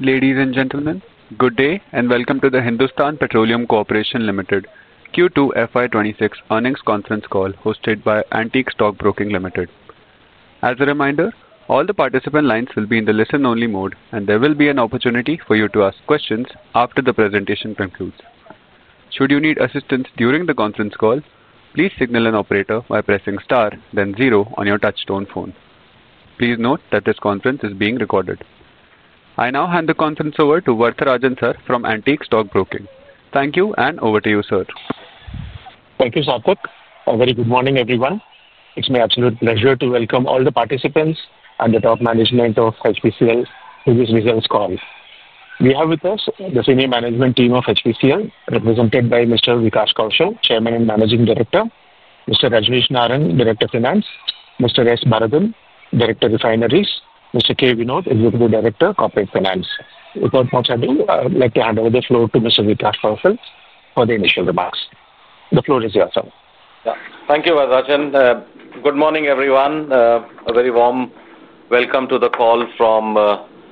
Ladies and gentlemen, good day and welcome to the Hindustan Petroleum Corporation Limited Q2 FY26 Earnings Conference Call hosted by Antique Stock Broking Limited. As a reminder, all the participant lines will be in the listen-only mode, and there will be an opportunity for you to ask questions after the presentation concludes. Should you need assistance during the conference call, please signal an operator by pressing star, then zero on your touchstone phone. Please note that this conference is being recorded. I now hand the conference over to Varatharajan, sir, from Antique Stock Broking Limited. Thank you, and over to you, sir. Thank you, Sarthik. A very good morning, everyone. It's my absolute pleasure to welcome all the participants and the top management of HPCL to this business call. We have with us the senior management team of HPCL, represented by Mr. Vikas Kaushal, Chairman and Managing Director, Mr. Rajneesh Narang, Director of Finance, Mr. S Bharathan, Director of Refineries, and Mr. K Vinod, Executive Director, Corporate Finance. Before we proceed, I'd like to hand over the floor to Mr. Vikas Kaushal for the initial remarks. The floor is yours, sir. Thank you, Rajan. Good morning, everyone. A very warm welcome to the call.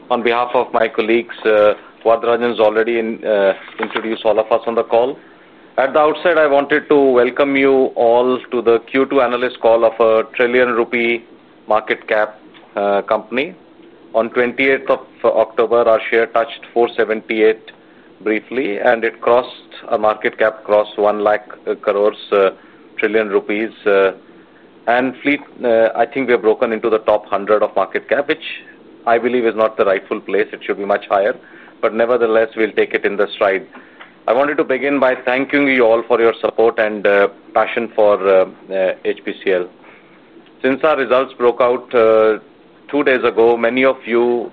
On behalf of my colleagues, Wartha Rajan has already introduced all of us on the call. At the outset, I wanted to welcome you all to the Q2 analyst call of a trillion-rupee market cap company. On 28th of October, our share touched 478 briefly, and the market cap crossed 1 lakh crore, a trillion rupees. I think we have broken into the top 100 of market cap, which I believe is not the rightful place. It should be much higher. Nevertheless, we'll take it in stride. I wanted to begin by thanking you all for your support and passion for HPCL. Since our results broke out two days ago, many of you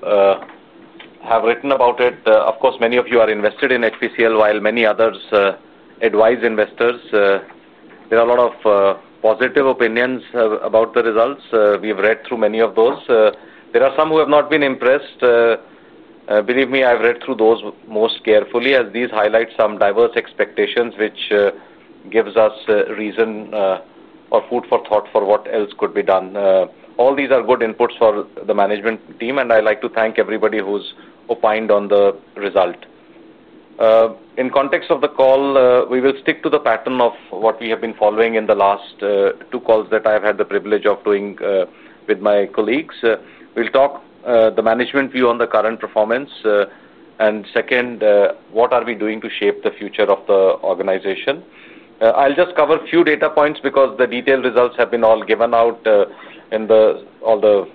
have written about it. Of course, many of you are invested in HPCL, while many others advise investors. There are a lot of positive opinions about the results. We have read through many of those. There are some who have not been impressed. Believe me, I've read through those most carefully, as these highlight some diverse expectations, which gives us reason or food for thought for what else could be done. All these are good inputs for the management team, and I'd like to thank everybody who's opined on the result. In context of the call, we will stick to the pattern of what we have been following in the last two calls that I've had the privilege of doing with my colleagues. We'll talk about the management view on the current performance, and second, what are we doing to shape the future of the organization. I'll just cover a few data points because the detailed results have been all given out in all the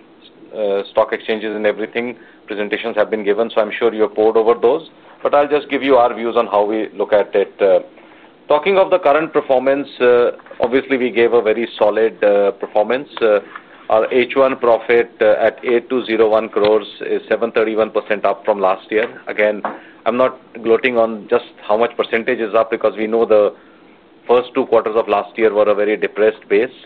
stock exchanges and everything. Presentations have been given, so I'm sure you have pored over those. I'll just give you our views on how we look at it. Talking of the current performance, obviously, we gave a very solid performance. Our H1 profit at 8,201 crore is 731% up from last year. Again, I'm not gloating on just how much percentage is up because we know the first two quarters of last year were a very depressed base.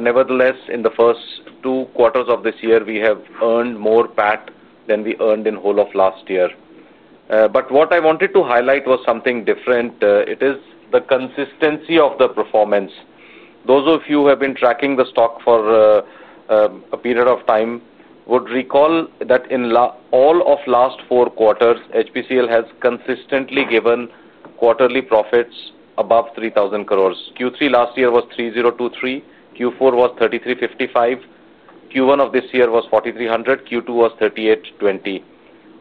Nevertheless, in the first two quarters of this year, we have earned more PAT than we earned in the whole of last year. What I wanted to highlight was something different. It is the consistency of the performance. Those of you who have been tracking the stock for a period of time would recall that in all of the last four quarters, HPCL has consistently given quarterly profits above 3,000 crore. Q3 last year was 3,023. Q4 was 3,355. Q1 of this year was 4,300. Q2 was 3,820.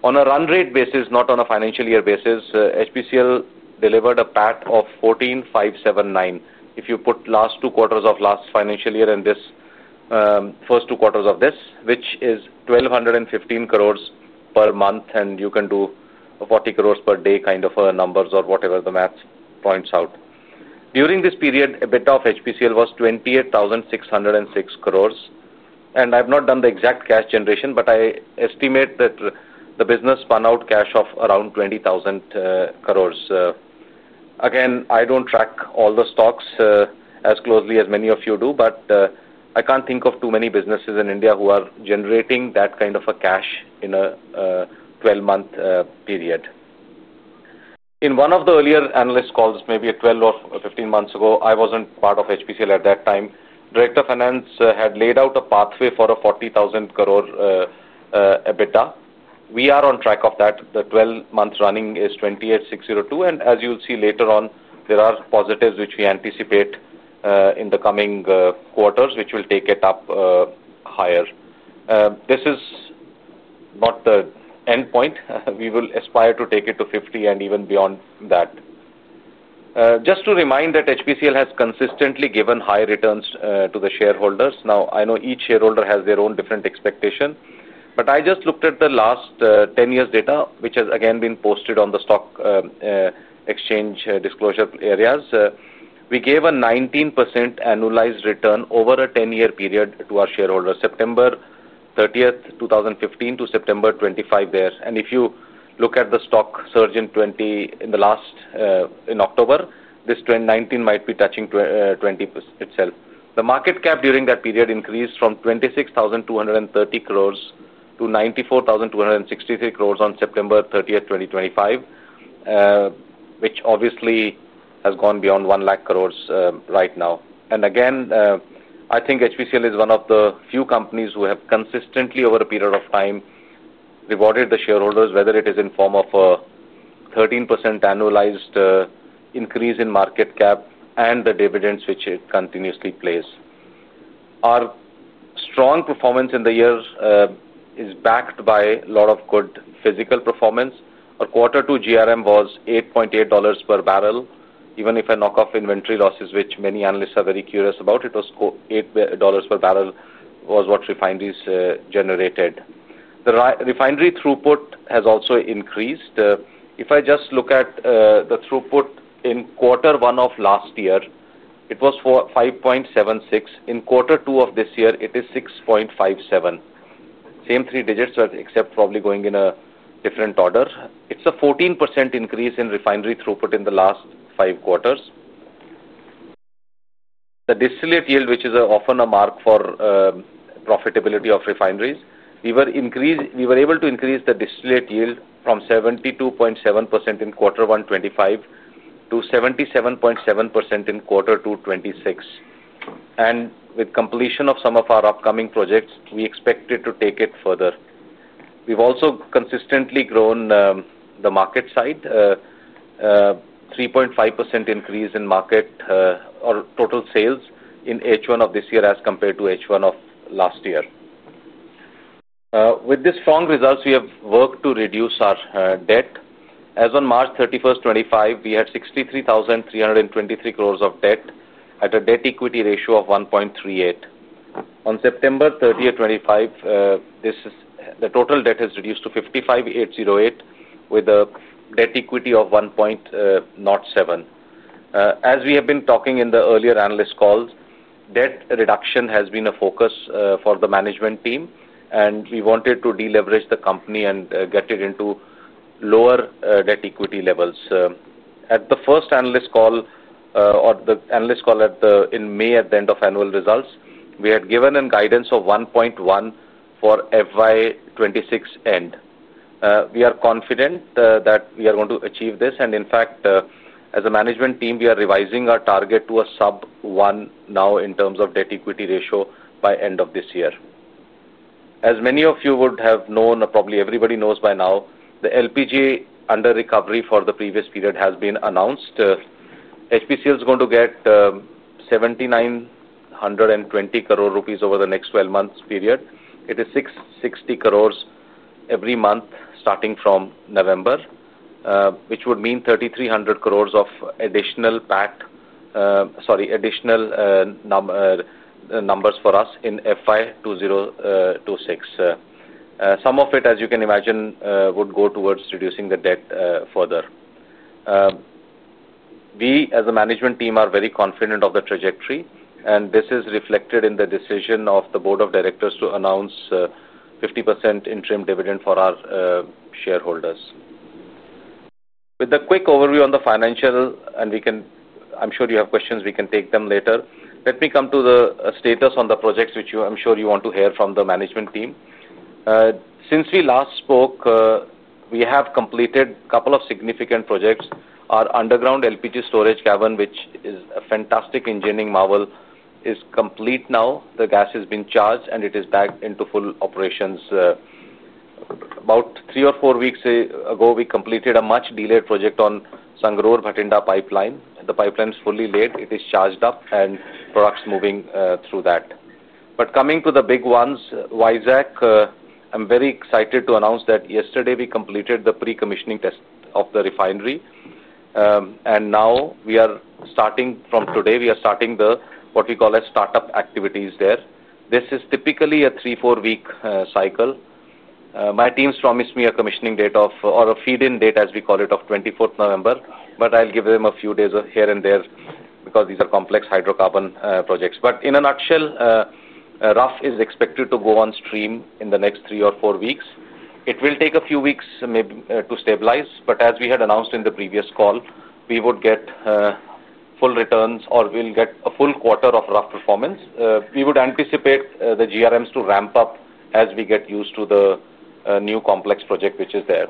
On a run rate basis, not on a financial year basis, HPCL delivered a PAT of 14,579. If you put the last two quarters of the last financial year and this, first two quarters of this, which is 1,215 crore per month, and you can do 40 crores per day kind of numbers or whatever the math points out. During this period, EBITDA of HPCL was 28,606 crores. I've not done the exact cash generation, but I estimate that the business spun out cash of around 20,000 crores. I don't track all the stocks as closely as many of you do, but I can't think of too many businesses in India who are generating that kind of cash in a 12-month period. In one of the earlier analyst calls, maybe 12 or 15 months ago, I wasn't part of HPCL at that time. Director of Finance had laid out a pathway for a 40,000 crore EBITDA. We are on track of that. The 12-month running is 28,602. As you'll see later on, there are positives which we anticipate in the coming quarters, which will take it up higher. This is not the end point. We will aspire to take it to 50 crore and even beyond that. Just to remind that HPCL has consistently given high returns to the shareholders. I know each shareholder has their own different expectation. I just looked at the last 10 years' data, which has again been posted on the stock exchange disclosure areas. We gave a 19% annualized return over a 10-year period to our shareholders, September 30th, 2015 to September 25 there. If you look at the stock surge in October, this 2019 might be touching 20% itself. The market cap during that period increased from 26,230 crore-94,263 crore on September 30th, 2025, which obviously has gone beyond one lakh crores right now. I think HPCL is one of the few companies who have consistently, over a period of time, rewarded the shareholders, whether it is in the form of a 13% annualized increase in market cap and the dividends which it continuously pays. Our strong performance in the year is backed by a lot of good physical performance. Our quarter two GRM was $8.8 per barrel, even if I knock off inventory losses, which many analysts are very curious about. It was $8 per barrel was what refineries generated. The refinery throughput has also increased. If I just look at the throughput in quarter one of last year, it was $5.76. In quarter two of this year, it is $6.57. Same three digits, except probably going in a different order. It's a 14% increase in refinery throughput in the last five quarters. The distillate yield, which is often a mark for profitability of refineries, we were able to increase the distillate yield from 72.7% in quarter one 2025 to 77.7% in quarter two 2026. With completion of some of our upcoming projects, we expect to take it further. We've also consistently grown the market side. 3.5% increase in market or total sales in H1 of this year as compared to H1 of last year. With these strong results, we have worked to reduce our debt. As of March 31, 2025, we had 63,323 crore of debt at a debt-equity ratio of 1.38. On September 30, 2025, the total debt has reduced to 55,808 crore, with a debt-equity of 1.07. As we have been talking in the earlier analyst calls, debt reduction has been a focus for the management team, and we wanted to deleverage the company and get it into lower debt-equity levels. At the first analyst call or the analyst call in May at the end of annual results, we had given a guidance of 1.1 for FY2026 end. We are confident that we are going to achieve this. In fact, as a management team, we are revising our target to a sub-1 now in terms of debt-equity ratio by the end of this year. As many of you would have known, or probably everybody knows by now, the LPG under recovery for the previous period has been announced. HPCL is going to get INR 7,920 crore over the next 12 months' period. It is INR 660 crore every month starting from November, which would mean INR 3,300 crore of additional PAT. Sorry, additional numbers for us in FY2026. Some of it, as you can imagine, would go towards reducing the debt further. We, as a management team, are very confident of the trajectory, and this is reflected in the decision of the Board of Directors to announce a 50% interim dividend for our shareholders. With a quick overview on the financial, and I'm sure you have questions, we can take them later. Let me come to the status on the projects, which I'm sure you want to hear from the management team. Since we last spoke, we have completed a couple of significant projects. Our underground LPG storage cavern, which is a fantastic engineering marvel, is complete now. The gas has been charged, and it is back into full operations. About three or four weeks ago, we completed a much-delayed project on the Sangrur-Bathinda pipeline. The pipeline is fully laid, it is charged up, and products are moving through that. Coming to the big ones, Visakh, I'm very excited to announce that yesterday we completed the pre-commissioning test of the refinery. Now, from today, we are starting what we call as startup activities there. This is typically a three to four-week cycle. My teams promised me a commissioning date, or a feed-in date as we call it, of 24th November. I'll give them a few days here and there because these are complex hydrocarbon projects. In a nutshell, RUF is expected to go on stream in the next three or four weeks. It will take a few weeks to stabilize. As we had announced in the previous call, we would get full returns or we'll get a full quarter of RUF performance. We would anticipate the GRMs to ramp up as we get used to the new complex project which is there.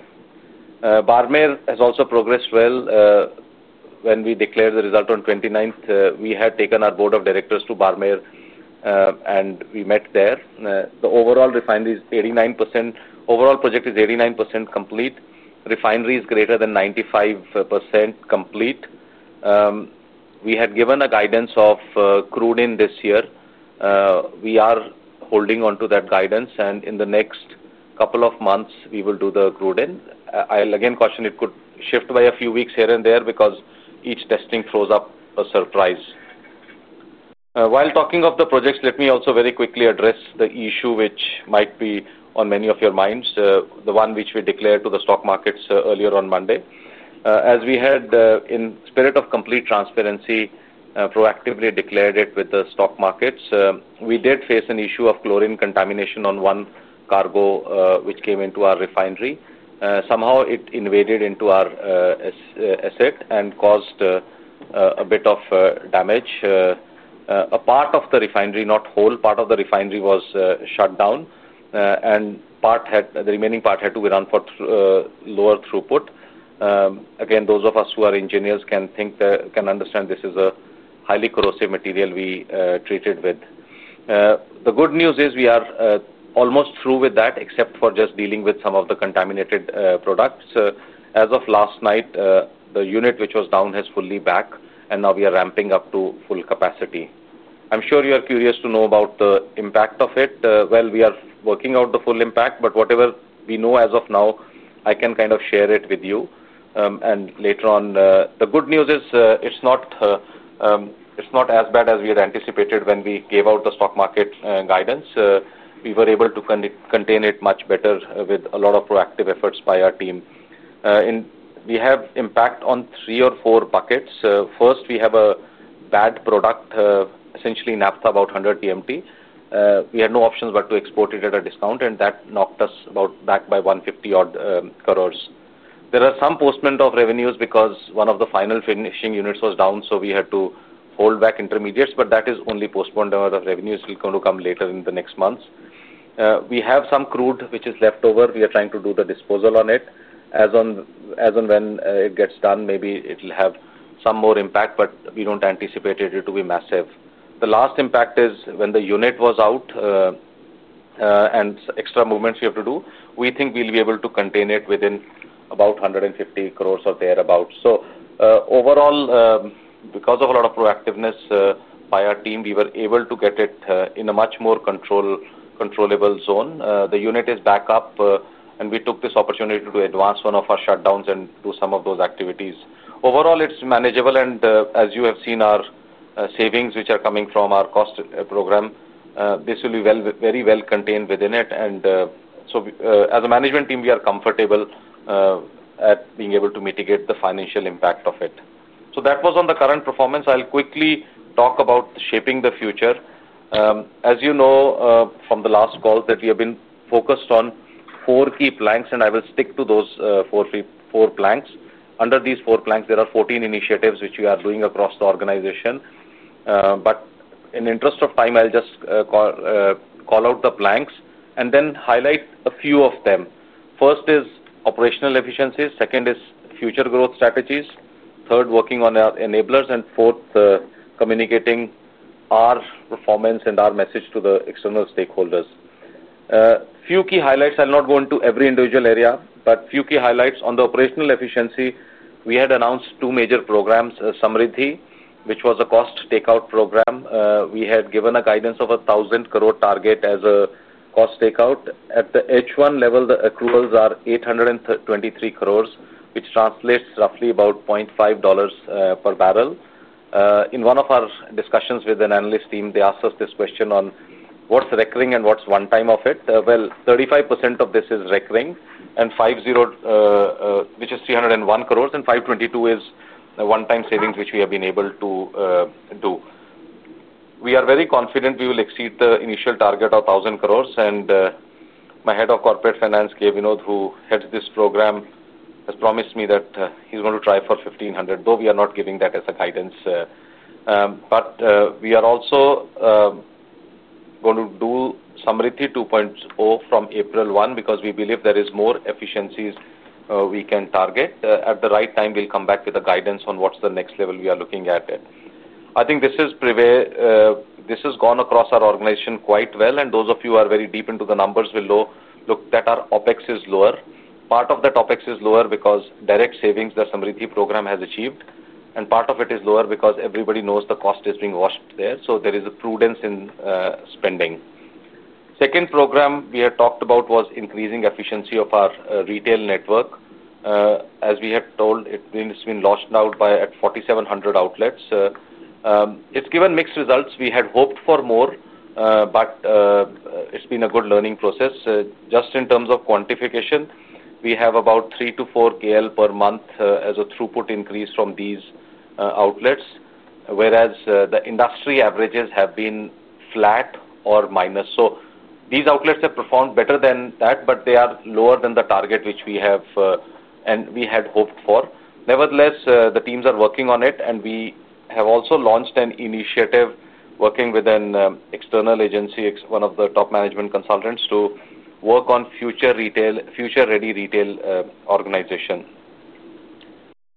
Barmer has also progressed well. When we declared the result on the 29th, we had taken our Board of Directors to Barmer and we met there. The overall refinery is 89% complete. Overall project is 89% complete. Refinery is greater than 95% complete. We had given a guidance of crude in this year. We are holding on to that guidance. In the next couple of months, we will do the crude in. I'll again caution it could shift by a few weeks here and there because each testing throws up a surprise. While talking of the projects, let me also very quickly address the issue which might be on many of your minds, the one which we declared to the stock markets earlier on Monday. As we had, in spirit of complete transparency, proactively declared it with the stock markets, we did face an issue of chlorine contamination on one cargo which came into our refinery. Somehow, it invaded into our asset and caused a bit of damage. A part of the refinery, not the whole part of the refinery, was shut down and the remaining part had to be run for lower throughput. Those of us who are engineers can understand this is a highly corrosive material we treated with. The good news is we are almost through with that, except for just dealing with some of the contaminated products. As of last night, the unit which was down is fully back, and now we are ramping up to full capacity. I'm sure you are curious to know about the impact of it. We are working out the full impact, but whatever we know as of now, I can kind of share it with you. The good news is it's not as bad as we had anticipated when we gave out the stock market guidance. We were able to contain it much better with a lot of proactive efforts by our team. We have impact on three or four buckets. First, we have a bad product, essentially naphtha about 100 TMT. We had no options but to export it at a discount, and that knocked us back by 150 crore. There are some postponement of revenues because one of the final finishing units was down, so we had to hold back intermediates. That is only postponed. The revenue is still going to come later in the next months. We have some crude which is left over. We are trying to do the disposal on it. As and when it gets done, maybe it will have some more impact, but we don't anticipate it to be massive. The last impact is when the unit was out and extra movements we have to do. We think we'll be able to contain it within about 150 crore or thereabouts. Overall, because of a lot of proactiveness by our team, we were able to get it in a much more controllable zone. The unit is back up, and we took this opportunity to advance one of our shutdowns and do some of those activities. Overall, it's manageable. As you have seen, our savings, which are coming from our cost program, this will be very well contained within it. As a management team, we are comfortable at being able to mitigate the financial impact of it. That was on the current performance. I'll quickly talk about shaping the future. As you know from the last call that we have been focused on four key planks, and I will stick to those four planks. Under these four planks, there are 14 initiatives which we are doing across the organization. In the interest of time, I'll just call out the planks and then highlight a few of them. First is operational efficiency. Second is future growth strategies. Third, working on enablers. Fourth, communicating our performance and our message to the external stakeholders. Few key highlights. I'll not go into every individual area, but few key highlights. On the operational efficiency, we had announced two major programs. SAMRIDHI, which was a cost takeout program. We had given a guidance of a 1,000 crore target as a cost takeout. At the H1 level, the accruals are 823 crore, which translates roughly about $0.5 per barrel. In one of our discussions with an analyst team, they asked us this question on what's recurring and what's one-time of it. 35% of this is recurring, which is 301 crore, and 522 crore is one-time savings which we have been able to do. We are very confident we will exceed the initial target of 1,000 crore. My Head of Corporate Finance, K Vinod, who heads this program, has promised me that he's going to try for 1,500 crore, though we are not giving that as a guidance. We are also going to do SAMRIDHI 2.0 from April 1 because we believe there are more efficiencies we can target. At the right time, we'll come back with a guidance on what's the next level we are looking at. I think this has gone across our organization quite well. Those of you who are very deep into the numbers will know that our OpEx is lower. Part of that OpEx is lower because of direct savings the SAMRIDHI cost optimization program has achieved, and part of it is lower because everybody knows the cost is being watched there. There is a prudence in spending. The second program we had talked about was increasing efficiency of our retail network. As we had told, it's been launched at 4,700 outlets. It's given mixed results. We had hoped for more. It's been a good learning process. Just in terms of quantification, we have about 3-4 KL per month as a throughput increase from these outlets, whereas the industry averages have been flat or minus. These outlets have performed better than that, but they are lower than the target which we have and we had hoped for. Nevertheless, the teams are working on it. We have also launched an initiative working with an external agency, one of the top management consultants, to work on a future-ready retail organization.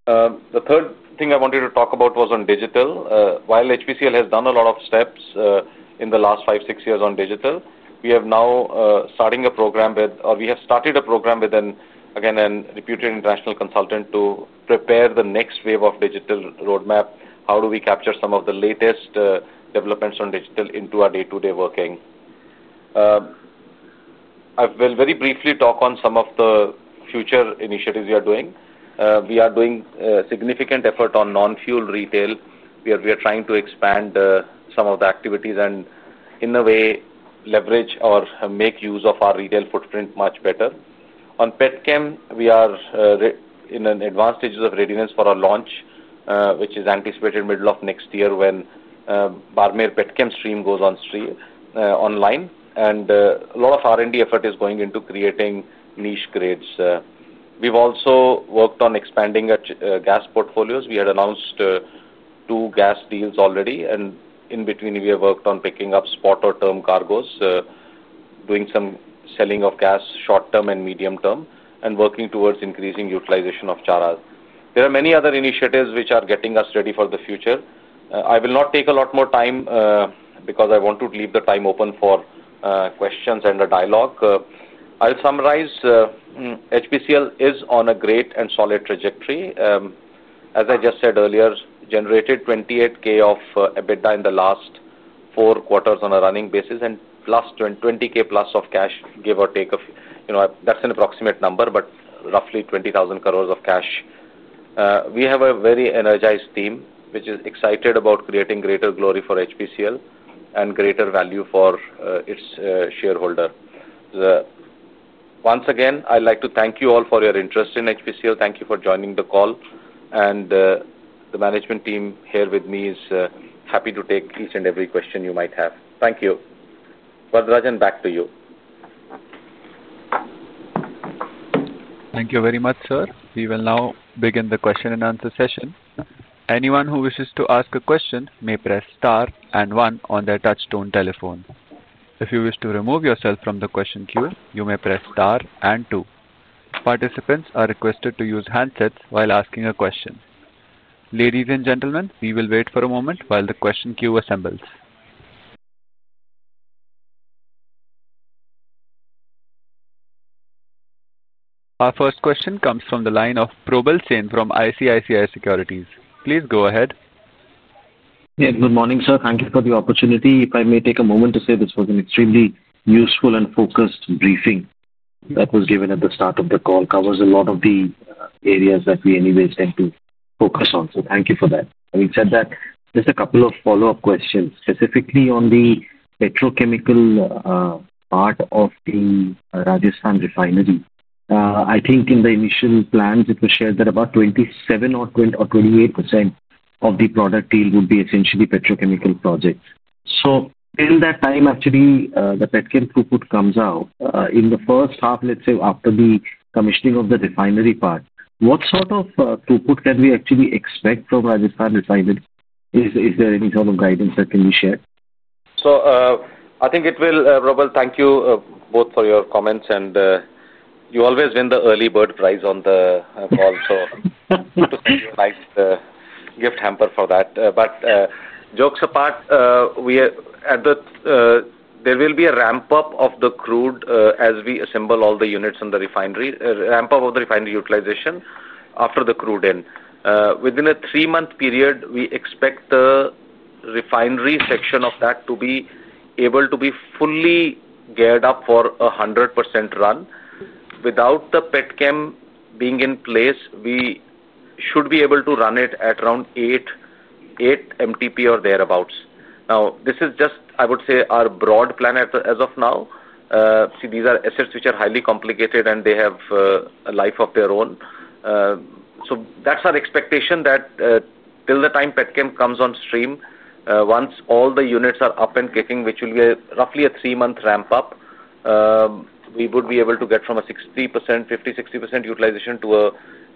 The third thing I wanted to talk about was on digital. While HPCL has done a lot of steps in the last five, six years on digital, we are now starting a program with, or we have started a program with, again, a reputed international consultant to prepare the next wave of digital roadmap. How do we capture some of the latest developments on digital into our day-to-day working? I will very briefly talk on some of the future initiatives we are doing. We are doing a significant effort on non-fuel retail, where we are trying to expand some of the activities and, in a way, leverage or make use of our retail footprint much better. On petchem, we are in an advanced stage of readiness for our launch, which is anticipated in the middle of next year when Barmer petchem stream goes online. A lot of R&D effort is going into creating niche grades. We've also worked on expanding our gas portfolios. We had announced two gas deals already. In between, we have worked on picking up spot or term cargoes, doing some selling of gas short-term and medium-term, and working towards increasing utilization of Chhara. There are many other initiatives which are getting us ready for the future. I will not take a lot more time because I want to leave the time open for questions and a dialogue. I'll summarize. HPCL is on a great and solid trajectory. As I just said earlier, generated 28,000 crore of EBITDA in the last four quarters on a running basis and plus 20,000 crore of cash, give or take, that's an approximate number, but roughly 20,000 crore of cash. We have a very energized team which is excited about creating greater glory for HPCL and greater value for its shareholder. Once again, I'd like to thank you all for your interest in HPCL. Thank you for joining the call. The management team here with me is happy to take each and every question you might have. Thank you. Varatharajan, back to you. Thank you very much, sir. We will now begin the question and answer session. Anyone who wishes to ask a question may press star and one on their touchstone telephone. If you wish to remove yourself from the question queue, you may press star and two. Participants are requested to use handsets while asking a question. Ladies and gentlemen, we will wait for a moment while the question queue assembles. Our first question comes from the line of Probal Sen from ICICI Securities. Please go ahead. Good morning, sir. Thank you for the opportunity. If I may take a moment to say this was an extremely useful and focused briefing that was given at the start of the call. It covers a lot of the areas that we anyways tend to focus on. Thank you for that. Having said that, just a couple of follow-up questions, specifically on the petrochemical part of the Rajasthan refinery. I think in the initial plans, it was shared that about 27% or 28% of the product deal would be essentially petrochemical projects. In that time, actually, the petchem throughput comes out. In the first half, let's say, after the commissioning of the refinery part, what sort of throughput can we actually expect from Rajasthan refinery? Is there any sort of guidance that can be shared? I think it will, Probal, thank you both for your comments. You always win the early bird prize on the call. I want to send you a nice gift hamper for that. Jokes apart, at the There will be a ramp-up of the crude as we assemble all the units in the refinery, ramp-up of the refinery utilization after the crude in. Within a three-month period, we expect the refinery section of that to be able to be fully geared up for a 100% run. Without the petchem being in place, we should be able to run it at around 8 MTPA or thereabouts. Now, this is just, I would say, our broad plan as of now. These are assets which are highly complicated, and they have a life of their own. That is our expectation. Till the time petchem comes on stream, once all the units are up and kicking, which will be roughly a three-month ramp-up, we would be able to get from a 50, 60% utilization to an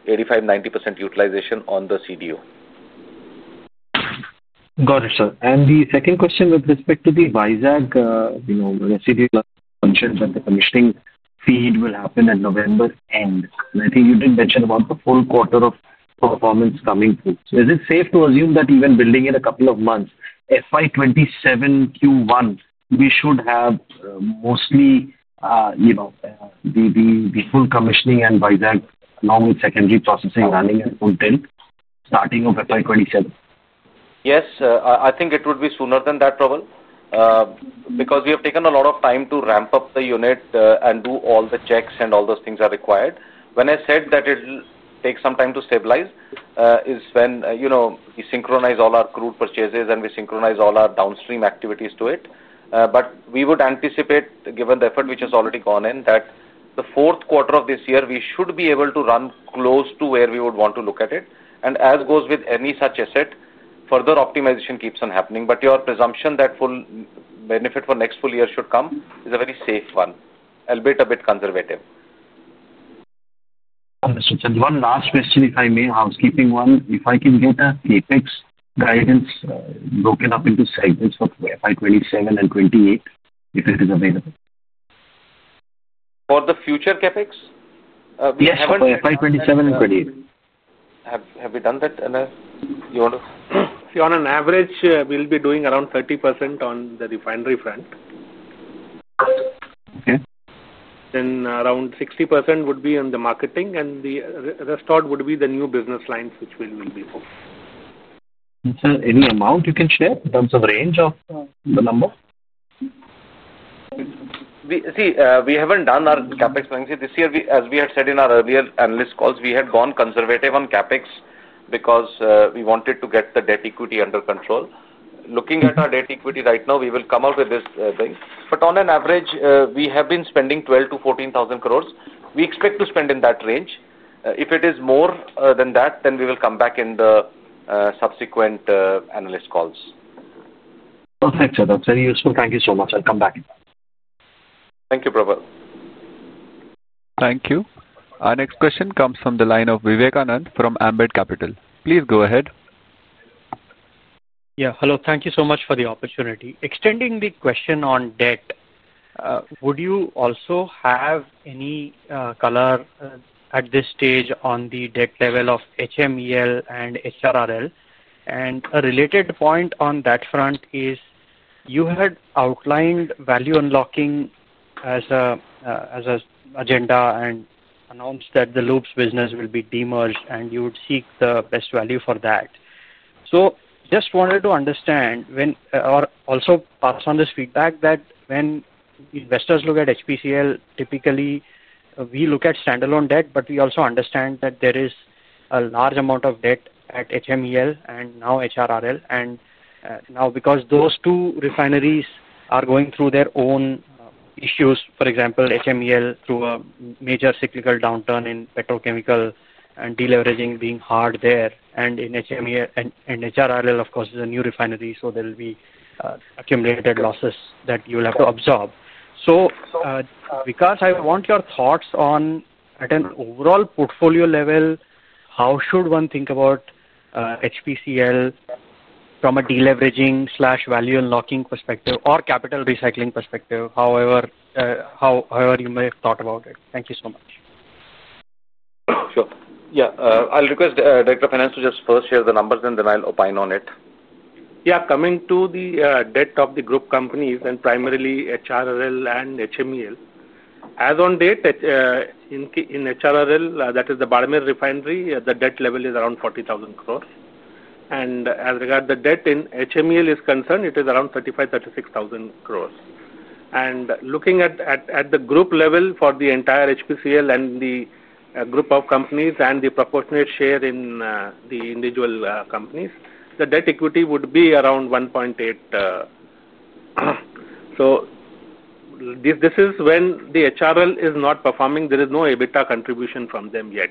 85, 90% utilization on the CDU. Got it, sir. The second question with respect to the Visakh refinery. Residual functions and the commissioning feed will happen at November end. I think you did mention about the full quarter of performance coming through. Is it safe to assume that even building in a couple of months, FY 2027 Q1, we should have mostly the full commissioning and Visakh along with secondary processing running and full tilt starting of FY 2027? Yes, I think it would be sooner than that, Probal. We have taken a lot of time to ramp up the unit and do all the checks and all those things required. When I said that it will take some time to stabilize is when we synchronize all our crude purchases and we synchronize all our downstream activities to it. We would anticipate, given the effort which has already gone in, that the fourth quarter of this year, we should be able to run close to where we would want to look at it. As goes with any such asset, further optimization keeps on happening. Your presumption that full benefit for next full year should come is a very safe one. A little bit conservative. Mr. Chandyawan, last question, if I may, housekeeping one. If I can get a CapEx guidance broken up into segments of FY 2027 and 2028, if it is available. For the future CapEx? Yes, for FY 2027 and 2028. Have we done that? You want to? On an average, we'll be doing around 30% on the refinery front. Then around 60% would be on the marketing, and the rest would be the new business lines which we'll be focusing on. Sir, any amount you can share in terms of range of the number? We haven't done our CapEx balancing. This year, as we had said in our earlier analyst calls, we had gone conservative on CapEx because we wanted to get the debt-equity under control. Looking at our debt-equity right now, we will come out with this thing. On average, we have been spending 12,000-14,000 crore. We expect to spend in that range. If it is more than that, then we will come back in the subsequent analyst calls. Perfect, sir. That's very useful. Thank you so much. I'll come back. Thank you, Probal. Thank you. Our next question comes from the line of Vivekanand from Ambit Capital. Please go ahead. Yeah, hello. Thank you so much for the opportunity. Extending the question on debt. Would you also have any color at this stage on the debt level of HMEL and HRRL? A related point on that front is you had outlined value unlocking as an agenda and announced that the Lubes business will be demerged, and you would seek the best value for that. Just wanted to understand or also pass on this feedback that when investors look at HPCL, typically we look at standalone debt, but we also understand that there is a large amount of debt at HMEL and now HRRL. Now, because those two refineries are going through their own issues, for example, HMEL through a major cyclical downturn in petrochemical and deleveraging being hard there, and HRRL, of course, is a new refinery, so there will be accumulated losses that you will have to absorb. Vikas, I want your thoughts on, at an overall portfolio level, how should one think about HPCL from a deleveraging/value unlocking perspective or capital recycling perspective, however you may have thought about it. Thank you so much. Sure. I'll request Director of Finance to just first share the numbers, and then I'll opine on it. Coming to the debt of the group companies, and primarily HRRL and HMEL, as on date, in HRRL, that is the Barmer refinery, the debt level is around 40,000 crore. As regards the debt in HMEL, it is around 35,000-36,000 crore. Looking at the group level for the entire HPCL and the group of companies and the proportionate share in the individual companies, the debt-equity would be around 1.8. This is when the HRRL is not performing. There is no EBITDA contribution from them yet.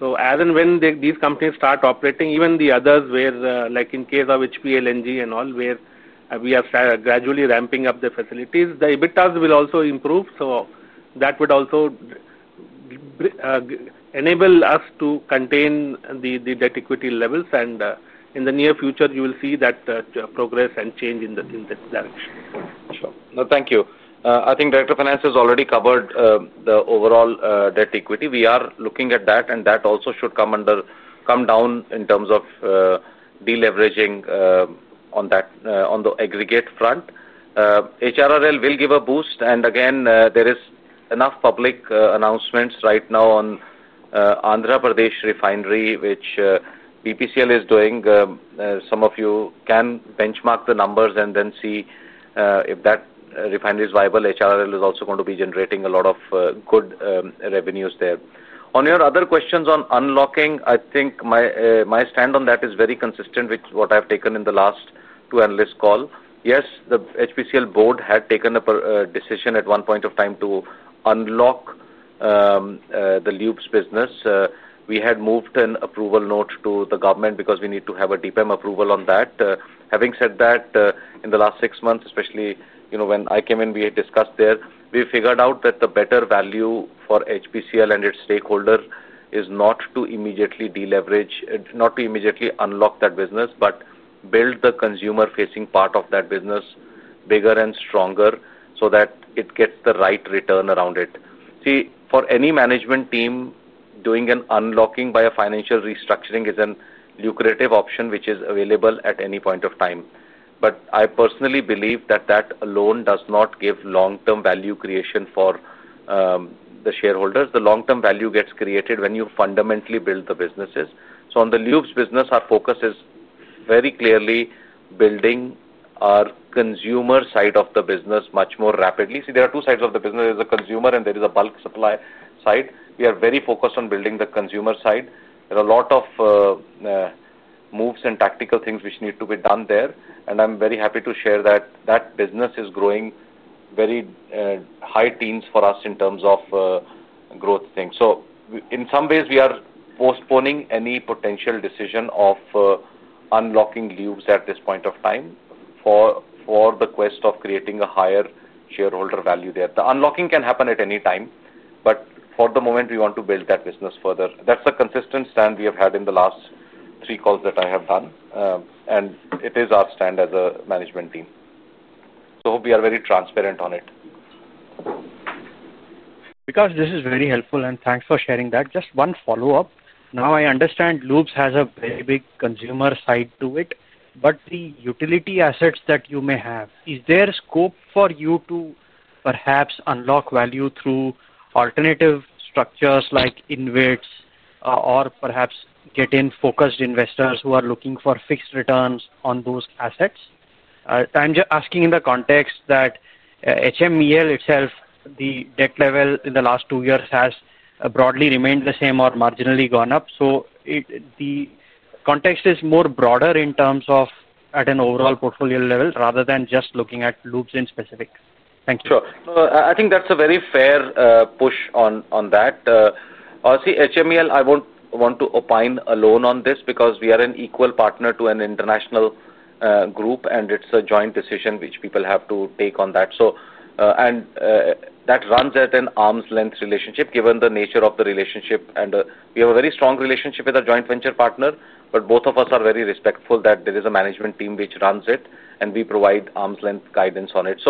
As and when these companies start operating, even the others where, like in case of HPLNG and all, where we are gradually ramping up the facilities, the EBITDAs will also improve. That would also. Enable us to contain the debt-equity levels. In the near future, you will see that progress and change in that direction. Sure. No, thank you. I think Director of Finance has already covered the overall debt-equity. We are looking at that, and that also should come down in terms of deleveraging on the aggregate front. HRRL will give a boost. There are enough public announcements right now on Andhra Pradesh refinery, which BPCL is doing. Some of you can benchmark the numbers and then see if that refinery is viable. HRRL is also going to be generating a lot of good revenues there. On your other questions on unlocking, I think my stand on that is very consistent with what I've taken in the last two analyst calls. Yes, the HPCL board had taken a decision at one point of time to unlock the lubricants business. We had moved an approval note to the government because we need to have a DPEM approval on that. Having said that, in the last six months, especially when I came in, we had discussed there, we figured out that the better value for HPCL and its stakeholder is not to immediately deleverage, not to immediately unlock that business, but build the consumer-facing part of that business bigger and stronger so that it gets the right return around it. For any management team, doing an unlocking by a financial restructuring is a lucrative option which is available at any point of time. I personally believe that that alone does not give long-term value creation for the shareholders. The long-term value gets created when you fundamentally build the businesses. On the lubricants business, our focus is very clearly building our consumer side of the business much more rapidly. There are two sides of the business. There is a consumer, and there is a bulk supply side. We are very focused on building the consumer side. There are a lot of moves and tactical things which need to be done there. I'm very happy to share that that business is growing very high teens for us in terms of growth. In some ways, we are postponing any potential decision of unlocking lubricants at this point of time for the quest of creating a higher shareholder value there. The unlocking can happen at any time, but for the moment, we want to build that business further. That's a consistent stand we have had in the last three calls that I have done. It is our stand as a management team. We are very transparent on it. Vikas, this is very helpful, and thanks for sharing that. Just one follow-up. Now, I understand Loops has a very big consumer side to it, but the utility assets that you may have, is there scope for you to perhaps unlock value through alternative structures like InvITs or perhaps get in focused investors who are looking for fixed returns on those assets? I'm just asking in the context that HMEL itself, the debt level in the last two years has broadly remained the same or marginally gone up. The context is more broad in terms of at an overall portfolio level rather than just looking at Loops in specific. Thank you. Sure. I think that's a very fair push on that. Obviously, HMEL, I won't want to opine alone on this because we are an equal partner to an international group, and it's a joint decision which people have to take on that. That runs at an arm's length relationship, given the nature of the relationship. We have a very strong relationship with our joint venture partner, but both of us are very respectful that there is a management team which runs it, and we provide arm's length guidance on it.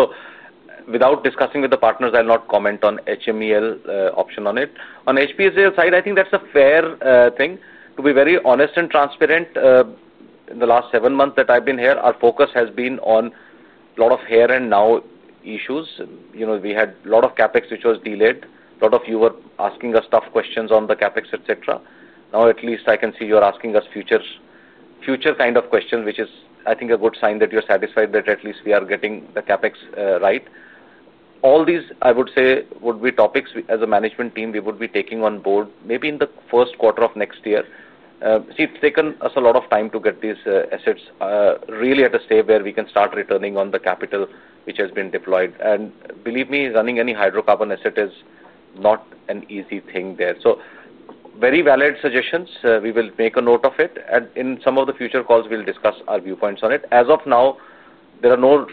Without discussing with the partners, I'll not comment on HMEL option on it. On HPCL side, I think that's a fair thing. To be very honest and transparent, in the last seven months that I've been here, our focus has been on a lot of here-and-now issues. We had a lot of CapEx which was delayed. A lot of you were asking us tough questions on the CapEx, etc. Now, at least I can see you're asking us future kind of questions, which is, I think, a good sign that you're satisfied that at least we are getting the CapEx right. All these, I would say, would be topics as a management team we would be taking on board maybe in the first quarter of next year. It's taken us a lot of time to get these assets really at a stage where we can start returning on the capital which has been deployed. Believe me, running any hydrocarbon asset is not an easy thing there. Very valid suggestions. We will make a note of it, and in some of the future calls, we'll discuss our viewpoints on it. As of now, there are no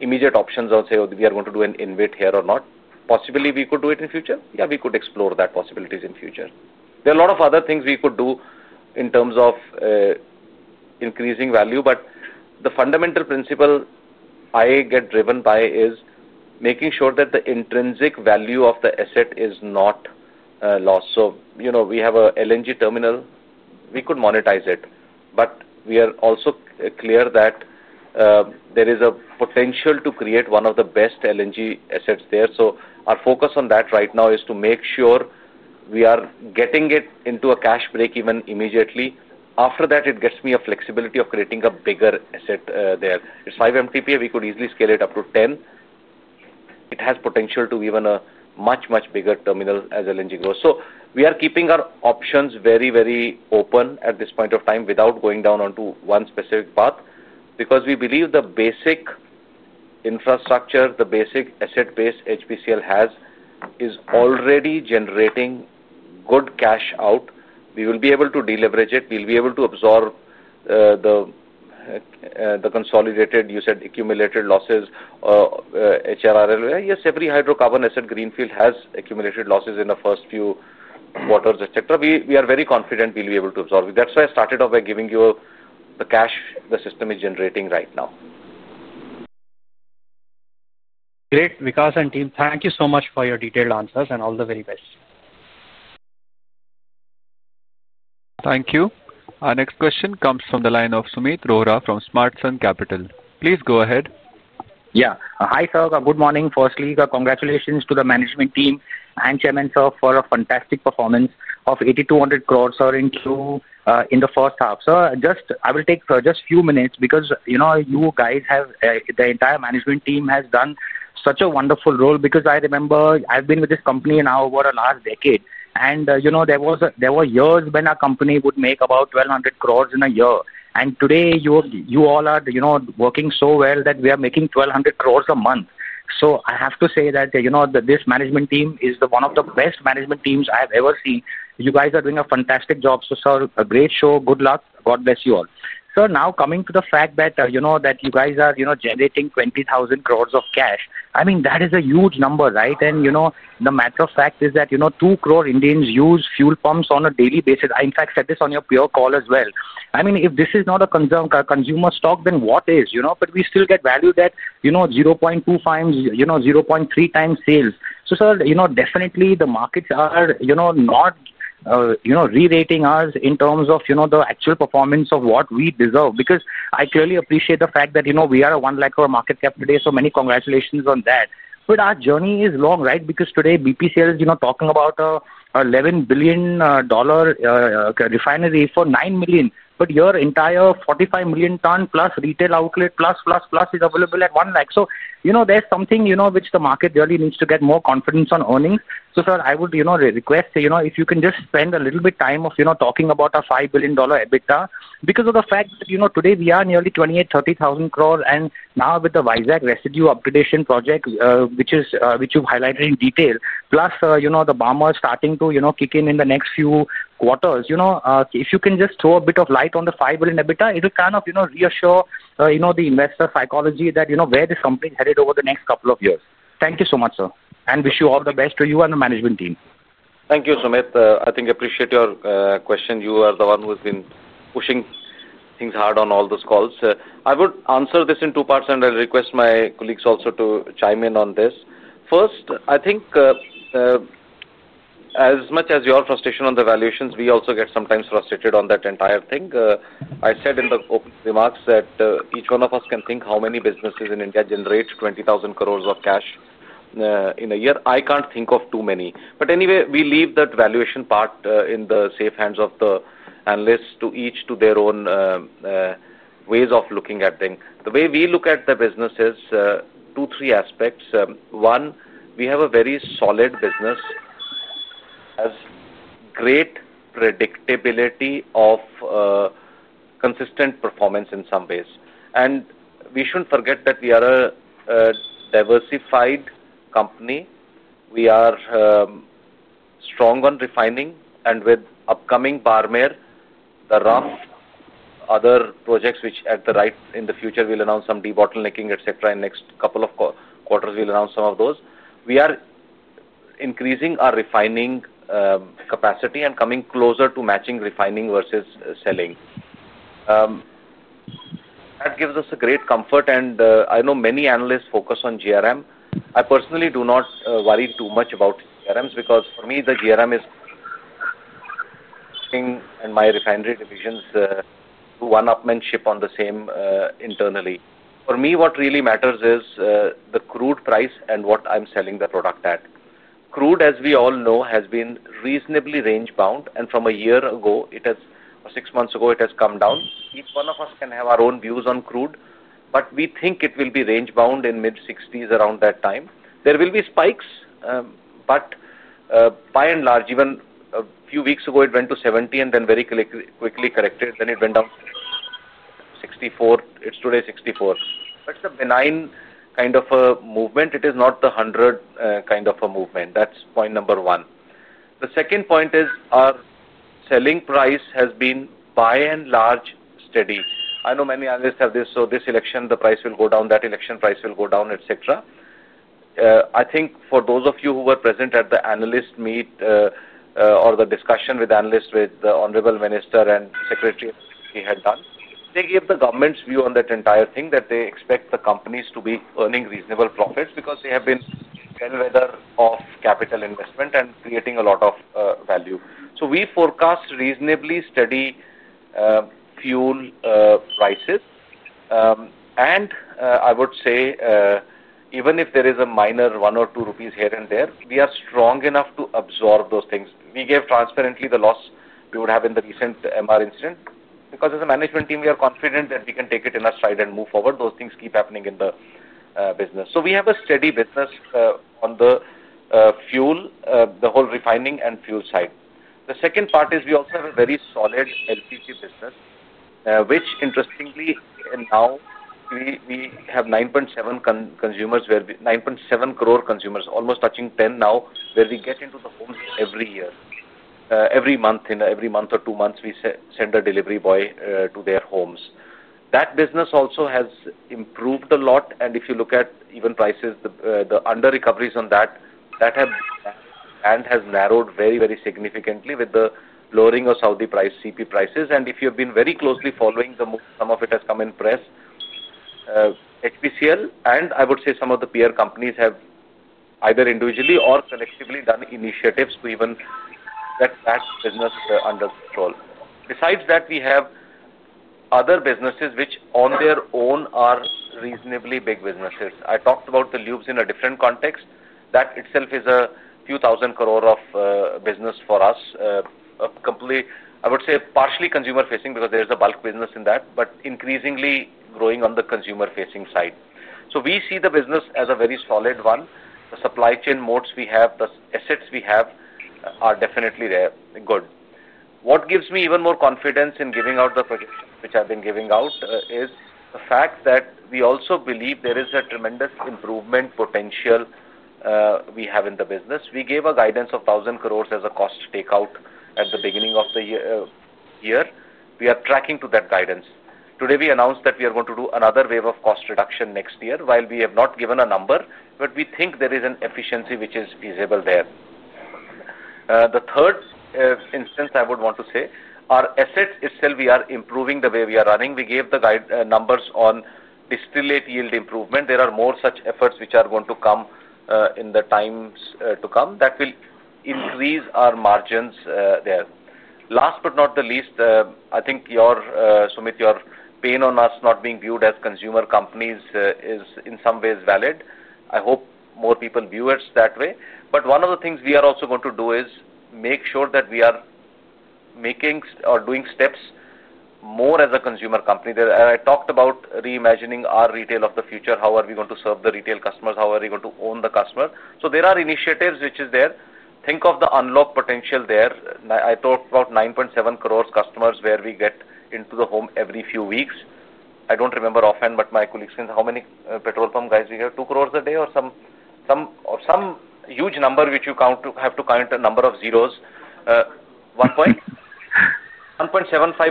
immediate options on, say, we are going to do an InvIT here or not. Possibly, we could do it in future. Yeah, we could explore that possibility in future. There are a lot of other things we could do in terms of increasing value, but the fundamental principle I get driven by is making sure that the intrinsic value of the asset is not lost. We have an LNG terminal. We could monetize it, but we are also clear that there is a potential to create one of the best LNG assets there. Our focus on that right now is to make sure we are getting it into a cash break even immediately. After that, it gets me a flexibility of creating a bigger asset there. It's 5 MTPA. We could easily scale it up to 10. It has potential to be a much, much bigger terminal as LNG grows. We are keeping our options very, very open at this point of time without going down onto one specific path because we believe the basic infrastructure, the basic asset base HPCL has is already generating good cash out. We will be able to deleverage it. We'll be able to absorb the consolidated, you said, accumulated losses. HRRL, yes, every hydrocarbon asset greenfield has accumulated losses in the first few quarters, etc. We are very confident we'll be able to absorb. That's why I started off by giving you the cash the system is generating right now. Great. Vikas and team, thank you so much for your detailed answers and all the very best. Thank you. Our next question comes from the line of Sumeet Rohra from Smartsun Capital. Please go ahead. Yeah. Hi, sir. Good morning. Firstly, congratulations to the management team and chairman sir for a fantastic performance of 8,200 crore in the first half. Sir, I will take just a few minutes because the entire management team has done such a wonderful role because I remember I've been with this company now over the last decade. There were years when our company would make about 1,200 crore in a year. Today, you all are working so well that we are making 1,200 crore a month. I have to say that this management team is one of the best management teams I've ever seen. You guys are doing a fantastic job. Sir, a great show. Good luck. God bless you all. Sir, now coming to the fact that you guys are generating 20,000 crore of cash, that is a huge number, right? The matter of fact is that two crore Indians use fuel pumps on a daily basis. In fact, I said this on your PR call as well. If this is not a consumer stock, then what is? We still get value that 0.25, 0.3 times sales. Sir, definitely, the markets are not rerating us in terms of the actual performance of what we deserve because I clearly appreciate the fact that we are a 1 lakh crore market cap today. Many congratulations on that. Our journey is long, right? Because today, BPCL is talking about a $11 billion refinery for 9 million. Your entire 45 million ton plus retail outlet plus plus plus is available at 1 lakh. There's something which the market really needs to get more confidence on earnings. Sir, I would request if you can just spend a little bit of time talking about our $5 billion EBITDA because of the fact that today we are nearly 28,000, 30,000 crores. Now with the Visakh residue upgradation project, which you've highlighted in detail, plus the Barmer starting to kick in in the next few quarters, if you can just throw a bit of light on the $5 billion EBITDA, it will kind of reassure the investor psychology that where this company is headed over the next couple of years. Thank you so much, sir, and wish you all the best to you and the management team. Thank you, Sumeet. I appreciate your question. You are the one who has been pushing things hard on all those calls. I would answer this in two parts, and I'll request my colleagues also to chime in on this. First, as much as your frustration on the valuations, we also get sometimes frustrated on that entire thing. I said in the open remarks that each one of us can think how many businesses in India generate 20,000 crores of cash in a year. I can't think of too many. We leave that valuation part in the safe hands of the analysts to each to their own ways of looking at things. The way we look at the business is two, three aspects. One, we have a very solid business, has great predictability of consistent performance in some ways. We shouldn't forget that we are a diversified company. We are strong on refining, and with upcoming Barmer, the RAF, other projects which at the right time in the future, we'll announce some debottlenecking, etc. In the next couple of quarters, we'll announce some of those. We are increasing our refining capacity and coming closer to matching refining versus selling. That gives us a great comfort. I know many analysts focus on GRM. I personally do not worry too much about GRMs because for me, the GRM is my refinery divisions' one-upmanship on the same internally. For me, what really matters is the crude price and what I'm selling the product at. Crude, as we all know, has been reasonably range-bound. From a year ago, or six months ago, it has come down. Each one of us can have our own views on crude, but we think it will be range-bound in mid-60s around that time. There will be spikes, but by and large, even a few weeks ago, it went to 70 and then very quickly corrected. Then it went down to 64. It's today 64. That's a benign kind of a movement. It is not the 100 kind of a movement. That's point number one. The second point is our selling price has been by and large steady. I know many analysts have this, so this election, the price will go down, that election, price will go down, etc. I think for those of you who were present at the analyst meet or the discussion with analysts, with the Honorable Minister and Secretary he had done, they gave the government's view on that entire thing that they expect the companies to be earning reasonable profits because they have been well-weathered off capital investment and creating a lot of value. We forecast reasonably steady fuel prices. I would say even if there is a minor one or two rupees here and there, we are strong enough to absorb those things. We gave transparently the loss we would have in the recent MR incident because as a management team, we are confident that we can take it in our stride and move forward. Those things keep happening in the business. We have a steady business on the fuel, the whole refining and fuel side. The second part is we also have a very solid LPG business, which, interestingly, now we have 9.7 crore consumers, almost touching 10 now, where we get into the homes every month. In every month or two months, we send a delivery boy to their homes. That business also has improved a lot. If you look at even prices, the under-recoveries on that have narrowed very, very significantly with the lowering of Saudi CP prices. If you have been very closely following, some of it has come in press. HPCL, and I would say some of the peer companies have either individually or collectively done initiatives to even that business under control. Besides that, we have other businesses which on their own are reasonably big businesses. I talked about the lubes in a different context. That itself is a few thousand crore of business for us, completely, I would say, partially consumer-facing because there is a bulk business in that, but increasingly growing on the consumer-facing side. We see the business as a very solid one. The supply chain modes we have, the assets we have are definitely good. What gives me even more confidence in giving out the projections which I've been giving out is the fact that we also believe there is a tremendous improvement potential we have in the business. We gave a guidance of 1,000 crore as a cost takeout at the beginning of the year. We are tracking to that guidance. Today, we announced that we are going to do another wave of cost reduction next year. While we have not given a number, we think there is an efficiency which is feasible there. The third instance I would want to say, our assets itself, we are improving the way we are running. We gave the numbers on distillate yield improvement. There are more such efforts which are going to come in the times to come that will increase our margins there. Last but not the least, I think, Sumeet, your pain on us not being viewed as consumer companies is in some ways valid. I hope more people view it that way. One of the things we are also going to do is make sure that we are making or doing steps more as a consumer company. I talked about reimagining our retail of the future. How are we going to serve the retail customers? How are we going to own the customer? There are initiatives which are there. Think of the unlock potential there. I talked about 9.7 crore customers where we get into the home every few weeks. I don't remember offhand, but my colleagues said, "How many petrol pump guys do we have? 2 crore a day or some huge number which you have to count a number of zeros?" 1.75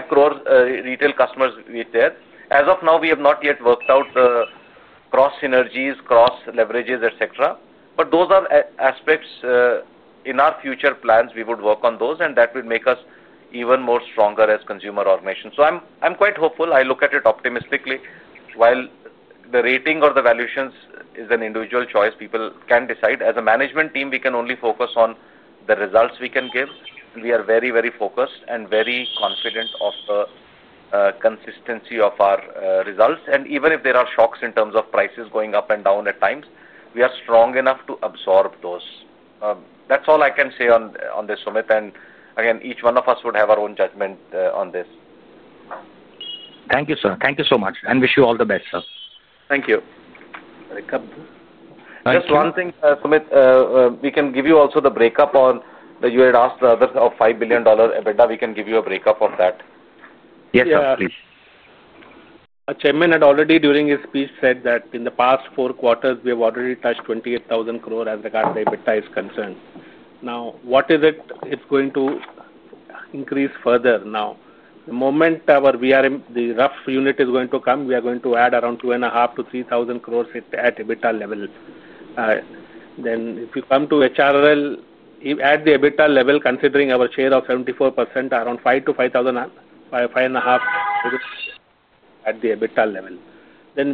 crore retail customers there. As of now, we have not yet worked out the cross synergies, cross leverages, etc. Those are aspects. In our future plans, we would work on those, and that will make us even more stronger as consumer automation. I'm quite hopeful. I look at it optimistically. While the rating or the valuations is an individual choice, people can decide. As a management team, we can only focus on the results we can give. We are very, very focused and very confident of the consistency of our results. Even if there are shocks in terms of prices going up and down at times, we are strong enough to absorb those. That's all I can say on this, Sumeet. Each one of us would have our own judgment on this. Thank you, sir. Thank you so much. Wish you all the best, sir. Thank you. Just one thing, Sumeet, we can give you also the breakup on the, you had asked the other of $5 billion EBITDA. We can give you a breakup on that. Yes, sir, please. A Chairman had already during his speech said that in the past four quarters, we have already touched 28,000 crore as regards to EBITDA is concerned. Now, what is it it's going to increase further? Now, the moment our rough unit is going to come, we are going to add around 2,500-3,000 crore at EBITDA level. If you come to HRRL, at the EBITDA level, considering our share of 74%, around 5,000-5,500 crore at the EBITDA level.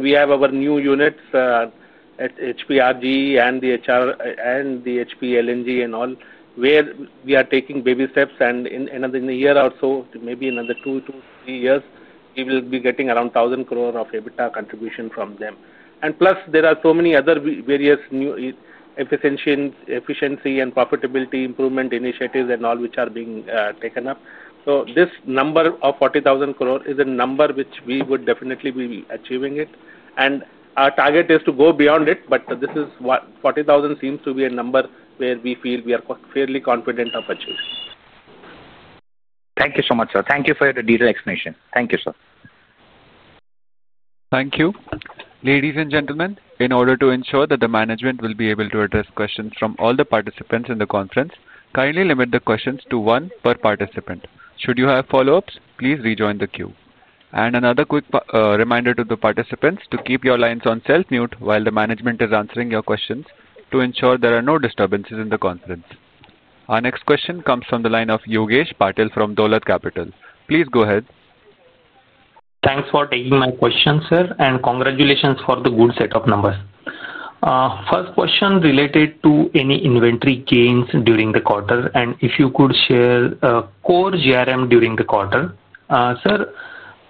We have our new units at HPRG and the HPLNG and all, where we are taking baby steps. In a year or so, maybe another two to three years, we will be getting around 1,000 crore of EBITDA contribution from them. Plus, there are so many other various efficiency and profitability improvement initiatives and all which are being taken up. This number of 40,000 crore is a number which we would definitely be achieving. Our target is to go beyond it, but this is what 40,000 crore seems to be a number where we feel we are fairly confident of achieving. Thank you so much, sir. Thank you for the detailed explanation. Thank you, sir. Thank you. Ladies and gentlemen, in order to ensure that the management will be able to address questions from all the participants in the conference, kindly limit the questions to one per participant. Should you have follow-ups, please rejoin the queue. Another quick reminder to the participants to keep your lines on self-mute while the management is answering your questions to ensure there are no disturbances in the conference. Our next question comes from the line of Yogesh Patil from Dholat Capital. Please go ahead. Thanks for taking my question, sir, and congratulations for the good set of numbers. First question related to any inventory gains during the quarter, and if you could share core GRM during the quarter. Sir,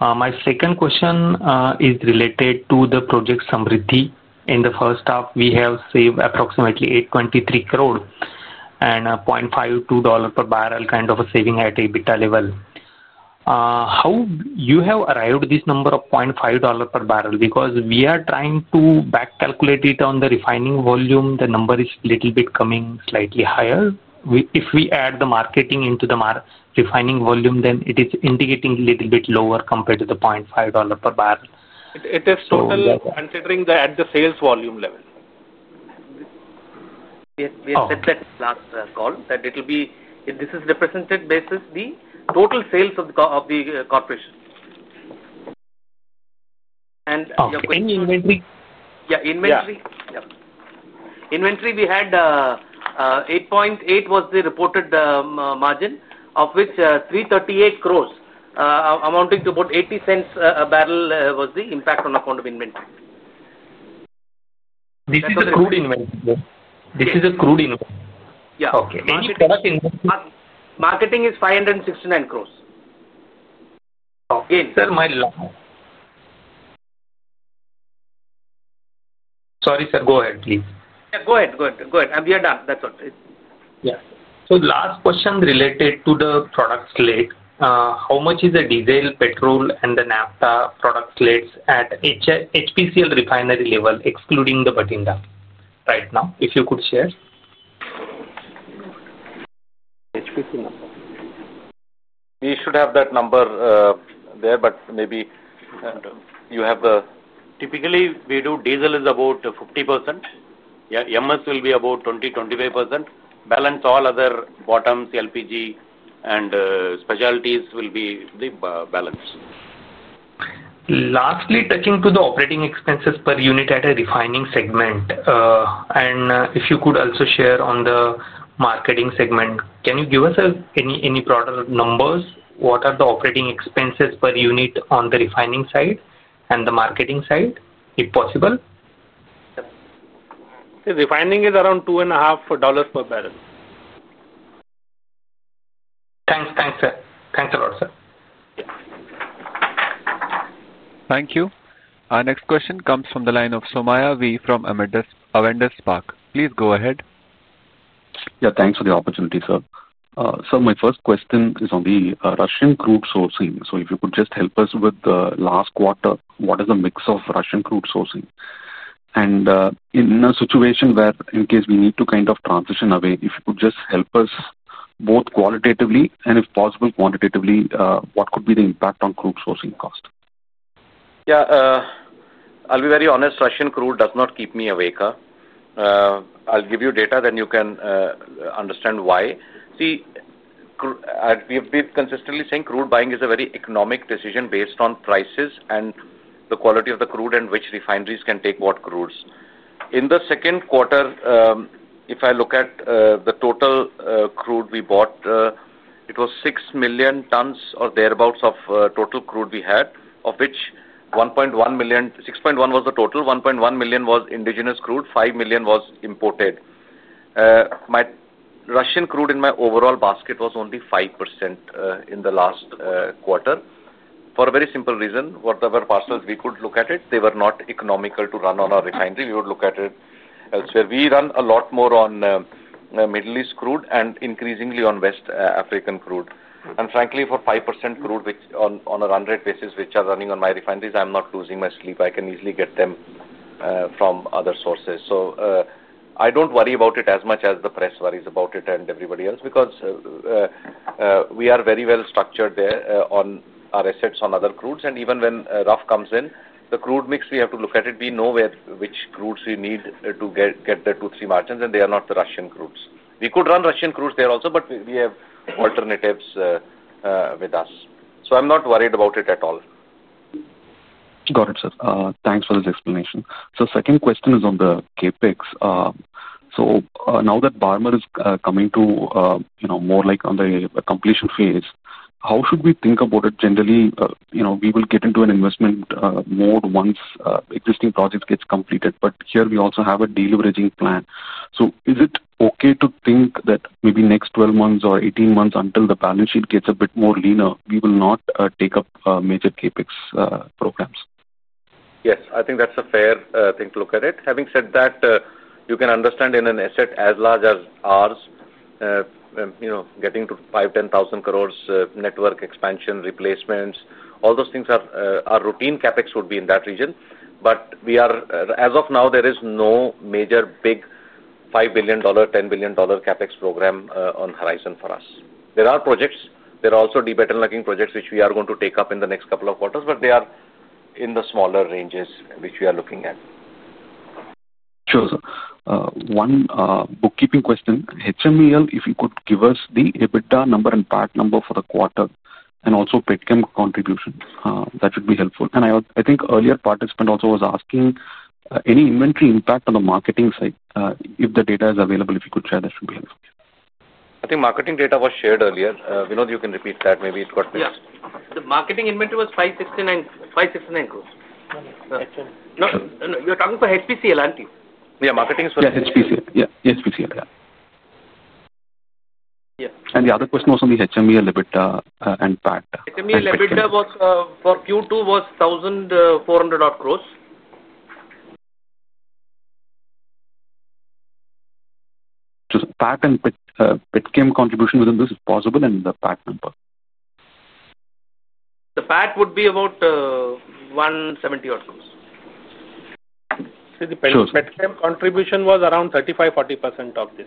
my second question is related to the project SAMRIDHI. In the first half, we have saved approximately 8.23 crore and $0.52 per barrel kind of a saving at EBITDA level. How you have arrived at this number of $0.5 per barrel? Because we are trying to back calculate it on the refining volume, the number is a little bit coming slightly higher. If we add the marketing into the refining volume, then it is indicating a little bit lower compared to the $0.5 per barrel. It is total considering at the sales volume level. We have said that last call that it will be this is represented basis the total sales of the corporation. And your question. In inventory? Yeah, inventory. Inventory, we had. 8.8 was the reported margin, of which 338 crore, amounting to about $0.80 a barrel, was the impact on account of inventory. This is a crude inventory. This is a crude inventory. Yeah. Okay. Marketing is INR 569 crore. Again. Sorry, sir. Go ahead, please. Yeah, go ahead. Go ahead. Go ahead. We are done. That's all. Yeah. Last question related to the product slate. How much is the diesel, petrol, and the naphtha product slate at HPCL refinery level, excluding the Bathinda right now? If you could share. HPCL. We should have that number there, but maybe. You have the. Typically, we do diesel is about 50%. MS will be about 20-25%. Balance all other bottoms, LPG, and specialties will be the balance. Lastly, touching to the operating expenses per unit at a refining segment. If you could also share on the marketing segment, can you give us any broader numbers? What are the operating expenses per unit on the refining side and the marketing side, if possible? Refining is around $2.50 per barrel. Thanks. Thanks, sir. Thanks a lot, sir. Thank you. Our next question comes from the line of Somaiah V. from Awendus Park. Please go ahead. Yeah, thanks for the opportunity, sir. Sir, my first question is on the Russian crude sourcing. If you could just help us with the last quarter, what is the mix of Russian crude sourcing? In a situation where in case we need to kind of transition away, if you could just help us both qualitatively and if possible quantitatively, what could be the impact on crude sourcing cost? Yeah. I'll be very honest. Russian crude does not keep me awake. I'll give you data, then you can understand why. See, we have been consistently saying crude buying is a very economic decision based on prices and the quality of the crude and which refineries can take what crudes. In the second quarter, if I look at the total crude we bought, it was 6 million tons or thereabouts of total crude we had, of which 1.1 million, 6.1 was the total, 1.1 million was indigenous crude, 5 million was imported. My Russian crude in my overall basket was only 5% in the last quarter for a very simple reason. Whatever parcels we could look at, they were not economical to run on our refinery. We would look at it elsewhere. We run a lot more on Middle East crude and increasingly on West African crude. Frankly, for 5% crude on a run rate basis which are running on my refineries, I'm not losing my sleep. I can easily get them from other sources. I don't worry about it as much as the press worries about it and everybody else because we are very well structured there on our assets on other crudes. Even when rough comes in, the crude mix we have to look at it. We know which crudes we need to get the two, three margins, and they are not the Russian crudes. We could run Russian crudes there also, but we have alternatives with us. I'm not worried about it at all. Got it, sir. Thanks for this explanation. Second question is on the CapEx. Now that Barmer is coming to more like on the completion phase, how should we think about it generally? We will get into an investment mode once existing projects get completed, but here we also have a deleveraging plan. Is it okay to think that maybe next 12 months or 18 months until the balance sheet gets a bit more leaner, we will not take up major CapEx programs? Yes, I think that's a fair thing to look at it. Having said that, you can understand in an asset as large as ours, getting to 5,000 crore, 10,000 crore network expansion, replacements, all those things are routine CapEx would be in that region. As of now, there is no major big $5 billion, $10 billion CapEx program on horizon for us. There are projects. There are also de-bottlenecking projects which we are going to take up in the next couple of quarters, but they are in the smaller ranges which we are looking at. Sure, sir. One bookkeeping question. HMEL, if you could give us the EBITDA number and PAT number for the quarter and also petchem contribution. That would be helpful. I think earlier participant also was asking any inventory impact on the marketing side. If the data is available, if you could share, that would be helpful. I think marketing data was shared earlier. Vinod, you can repeat that. Maybe it got missed. Yeah. The marketing inventory was 569 crore. No, no. You're talking for HPCL, aren't you? Yeah, marketing is for HPCL. Yeah, HPCL. Yeah. The other question was on the HMEL EBITDA and PAT. HMEL EBITDA for Q2 was INR 1,400 crore. So PAT and petchem contribution within this is possible and the PAT number? The PAT would be about 170 crore. petchem contribution was around 35%, 40% of this.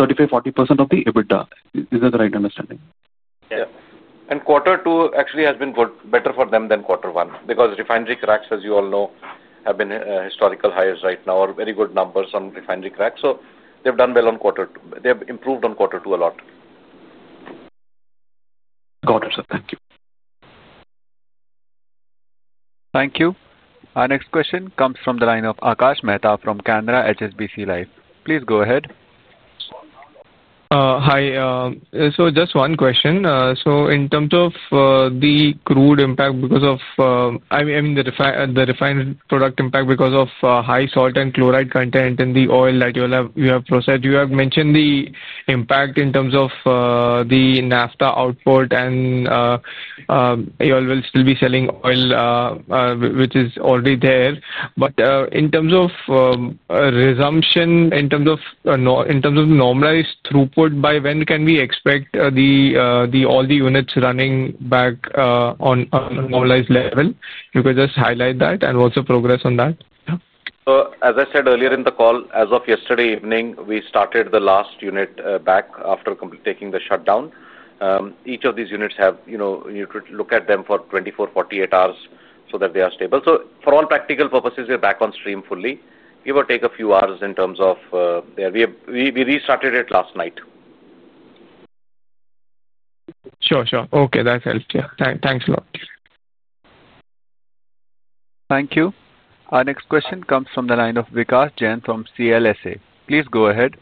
35%, 40% of the EBITDA. Is that the right understanding? Yeah. Quarter two actually has been better for them than quarter one because refinery cracks, as you all know, have been at historical highs right now or very good numbers on refinery cracks. They've done well on quarter two. They've improved on quarter two a lot. Got it, sir. Thank you. Thank you. Our next question comes from the line of Akash Mehta from Canara HSBC Life. Please go ahead. Hi. Just one question. In terms of the crude impact because of, I mean, the refined product impact because of high salt and chloride content in the oil that you have processed, you have mentioned the impact in terms of the naphtha output. You all will still be selling oil which is already there. In terms of resumption, in terms of normalized throughput, by when can we expect all the units running back on a normalized level? You could just highlight that and also progress on that. As I said earlier in the call, as of yesterday evening, we started the last unit back after taking the shutdown. Each of these units, you could look at them for 24, 48 hours so that they are stable. For all practical purposes, we are back on stream fully, give or take a few hours in terms of there. We restarted it last night. Sure, sure. That helps. Yeah. Thanks a lot. Thank you. Our next question comes from the line of Vikas Jain from CLSA. Please go ahead.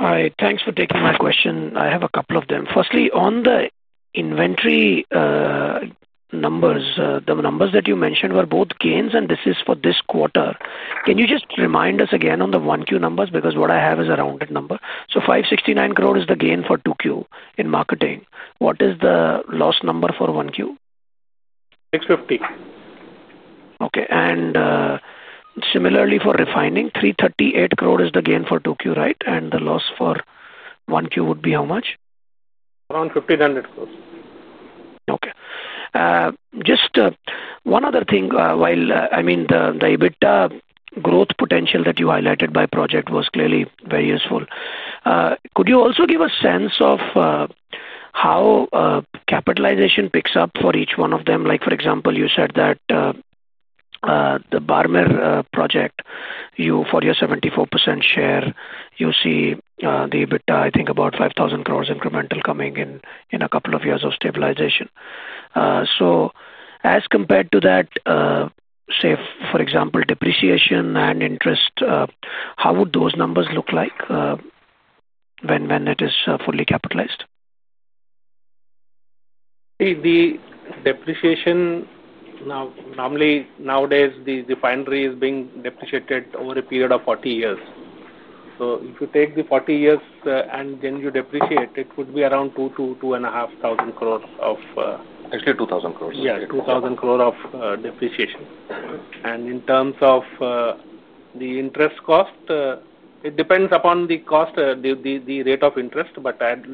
Hi. Thanks for taking my question. I have a couple of them. Firstly, on the inventory numbers, the numbers that you mentioned were both gains, and this is for this quarter. Can you just remind us again on the 1Q numbers? Because what I have is a rounded number. So 569 crore is the gain for 2Q in marketing. What is the loss number for 1Q? 650 crore. Okay. Similarly, for refining, 338 crore is the gain for 2Q, right? And the loss for 1Q would be how much? Around 1,500 crore. Okay. Just one other thing, the EBITDA growth potential that you highlighted by project was clearly very useful. Could you also give a sense of how capitalization picks up for each one of them? For example, you said that the Barmer project, for your 74% share, you see the EBITDA, I think, about 5,000 crore incremental coming in a couple of years of stabilization. As compared to that, say, for example, depreciation and interest, how would those numbers look like when it is fully capitalized? The depreciation, nowadays, the refinery is being depreciated over a period of 40 years. If you take the 40 years and then you depreciate, it would be around 2,000-2,500 crore. Actually, 2,000 crore. Yeah, 2,000 crore of depreciation. In terms of the interest cost, it depends upon the cost, the rate of interest.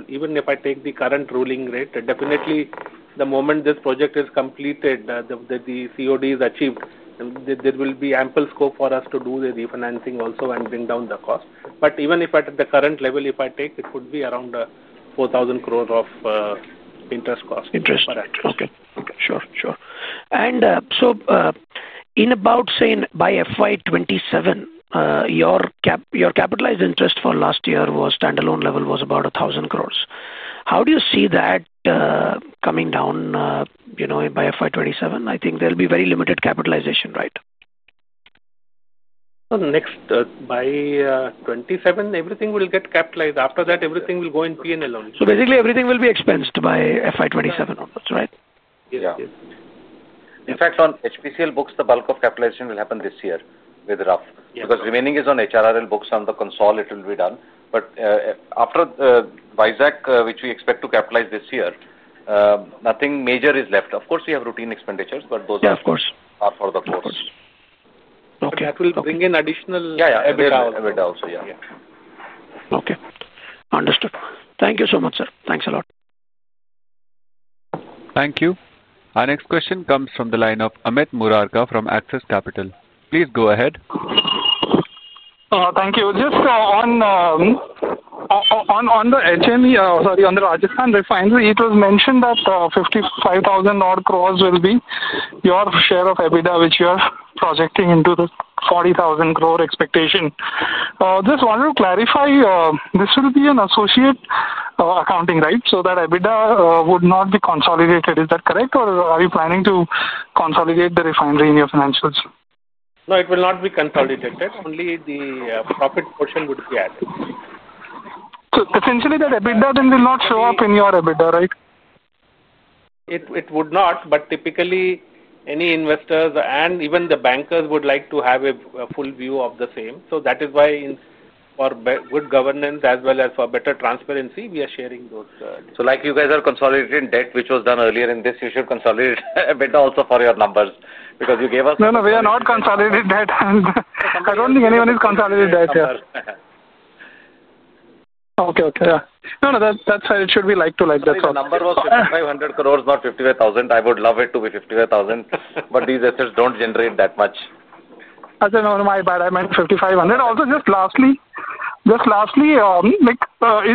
Even if I take the current ruling rate, definitely the moment this project is completed, the COD is achieved, there will be ample scope for us to do the refinancing also and bring down the cost. Even if at the current level, if I take, it would be around 4,000 crore of interest cost. Interest. Okay. Sure, sure. In about saying by FY2027, your capitalized interest for last year was standalone level was about 1,000 crore. How do you see that coming down by FY2027? I think there'll be very limited capitalization, right? Next, by 2027, everything will get capitalized. After that, everything will go in P&L only. Basically, everything will be expensed by FY2027 almost, right? Yeah. In fact, on HPCL books, the bulk of capitalization will happen this year with rough. Because remaining is on HRRL books on the console, it will be done. After Visakh refinery, which we expect to capitalize this year, nothing major is left. Of course, we have routine expenditures, but those are part of the course. That will bring in additional EBITDA also. Yeah. Okay. Understood. Thank you so much, sir. Thanks a lot. Thank you. Our next question comes from the line of Amit Garg from Axis Capital. Please go ahead. Thank you. Just on the Rajasthan refinery, it was mentioned that 55,000 crore will be your share of EBITDA, which you are projecting into the 40,000 crore expectation. Just wanted to clarify, this will be an associate accounting, right? That EBITDA would not be consolidated. Is that correct? Or are you planning to consolidate the refinery in your financials? No, it will not be consolidated. Only the profit portion would be added. Essentially, that EBITDA then will not show up in your EBITDA, right? It would not, but typically, any investors and even the bankers would like to have a full view of the same. That is why, for good governance as well as for better transparency, we are sharing those. Like you guys are consolidating debt, which was done earlier in this, you should consolidate EBITDA also for your numbers because you gave us. No, no, we are not consolidating debt. I don't think anyone is consolidating debt. Okay, okay. Yeah. No, no, that's fine. It should be like to like. That's all. The number was 5,500 crore, not 55,000 crore. I would love it to be 55,000 crore, but these assets don't generate that much. I said, no, no, my bad. I meant 5,500 crore. Also, just lastly, is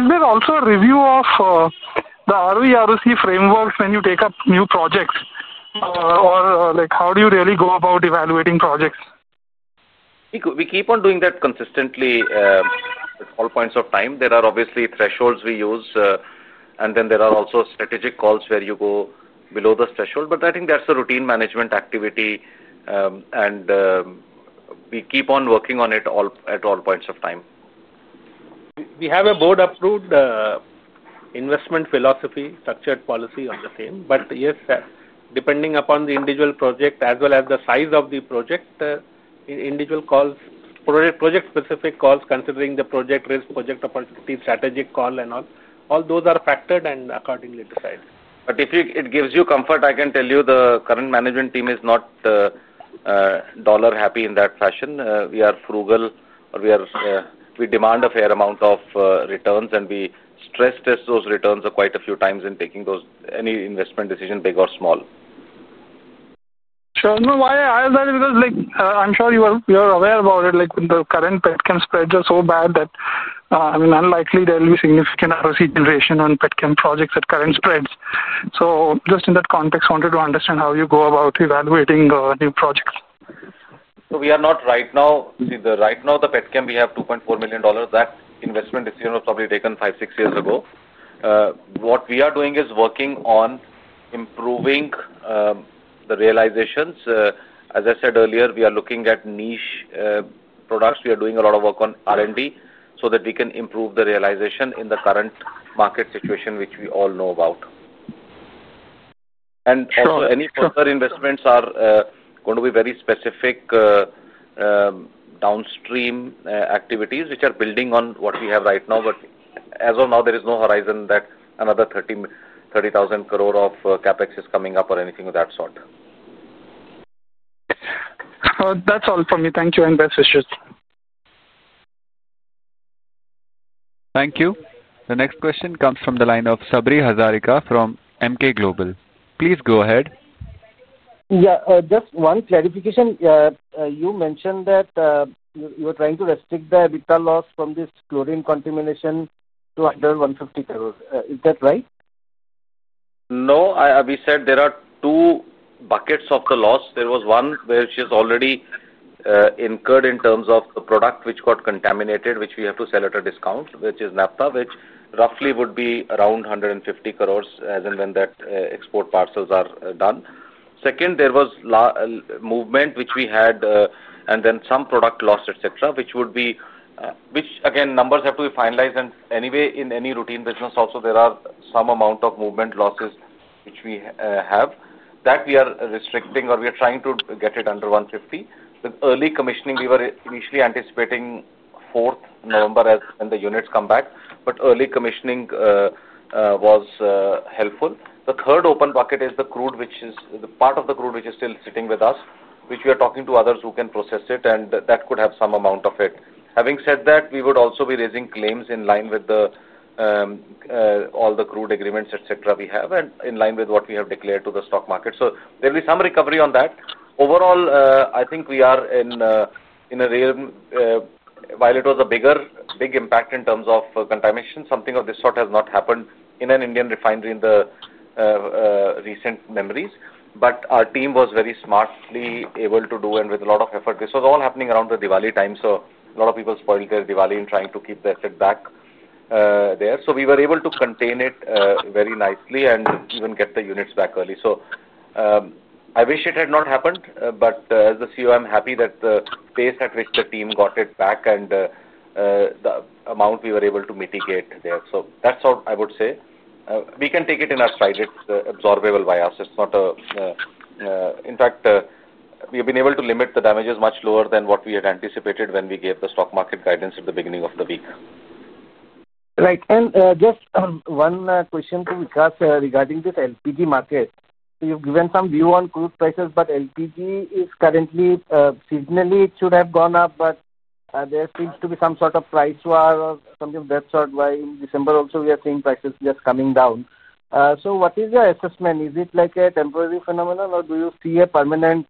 there also a review of the ROE, ROC frameworks when you take up new projects? Or how do you really go about evaluating projects? We keep on doing that consistently at all points of time. There are obviously thresholds we use, and then there are also strategic calls where you go below the threshold. I think that's a routine management activity. We keep on working on it at all points of time. We have a board-approved investment philosophy, structured policy on the same. Yes, depending upon the individual project as well as the size of the project, individual calls, project-specific calls, considering the project risk, project opportunity, strategic call, and all. All those are factored and accordingly decided. If it gives you comfort, I can tell you the current management team is not dollar happy in that fashion. We are frugal, or we demand a fair amount of returns, and we stress-test those returns quite a few times in taking any investment decision, big or small. Sure. No, why I asked that is because I'm sure you are aware about it. With the current petrochemical spreads are so bad that, I mean, unlikely there will be significant ROC generation on petrochemical projects at current spreads. Just in that context, I wanted to understand how you go about evaluating new projects. We are not right now. Right now, the petrochemical, we have $2.4 million. That investment decision was probably taken five, six years ago. What we are doing is working on improving the realizations. As I said earlier, we are looking at niche products. We are doing a lot of work on R&D so that we can improve the realization in the current market situation, which we all know about. Also, any further investments are going to be very specific downstream activities, which are building on what we have right now. As of now, there is no horizon that another 30,000 crore of CapEx is coming up or anything of that sort. That's all from me. Thank you. And best wishes. Thank you. The next question comes from the line of Sabri Hazarika from Emkay Global. Please go ahead. Yeah. Just one clarification. You mentioned that you are trying to restrict the EBITDA loss from this chlorine contamination to under 150 crore. Is that right? No, we said there are two buckets of the loss. There was one which is already incurred in terms of the product which got contaminated, which we have to sell at a discount, which is naphtha, which roughly would be around 150 crore as and when that export parcels are done. Second, there was movement which we had, and then some product loss, etc., which again, numbers have to be finalized. Anyway, in any routine business also, there are some amount of movement losses which we have that we are restricting or we are trying to get it under 150 crore. The early commissioning, we were initially anticipating 4th November when the units come back, but early commissioning was helpful. The third open bucket is the crude, which is the part of the crude which is still sitting with us, which we are talking to others who can process it, and that could have some amount of it. Having said that, we would also be raising claims in line with all the crude agreements, etc., we have, and in line with what we have declared to the stock market. There will be some recovery on that. Overall, I think we are in a real. While it was a big impact in terms of contamination, something of this sort has not happened in an Indian refinery in the recent memories. Our team was very smartly able to do and with a lot of effort. This was all happening around the Diwali time, so a lot of people spoiled their Diwali and trying to keep their setback there. We were able to contain it very nicely and even get the units back early. I wish it had not happened, but as the CEO, I'm happy that the pace at which the team got it back and the amount we were able to mitigate there. That's all I would say. We can take it in our side. It's absorbable by us. It's not a. In fact, we have been able to limit the damages much lower than what we had anticipated when we gave the stock market guidance at the beginning of the week. Right. Just one question to Vikas regarding this LPG market. You've given some view on crude prices, but LPG is currently seasonally, it should have gone up, but there seems to be some sort of price war or something of that sort why in December also we are seeing prices just coming down. What is your assessment? Is it like a temporary phenomenon, or do you see a permanent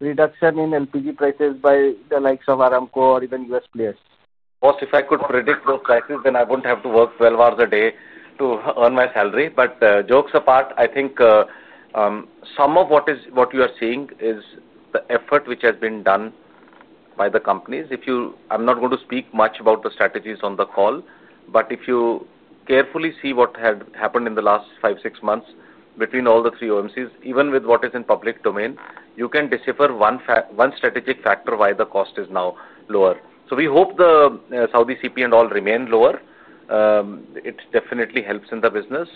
reduction in LPG prices by the likes of Aramco or even U.S. players? Most, if I could predict those prices, then I wouldn't have to work 12 hours a day to earn my salary. Jokes apart, I think some of what you are seeing is the effort which has been done by the companies. I'm not going to speak much about the strategies on the call, but if you carefully see what had happened in the last five, six months between all the three OMCs, even with what is in public domain, you can decipher one strategic factor why the cost is now lower. We hope the Saudi CP and all remain lower. It definitely helps in the business.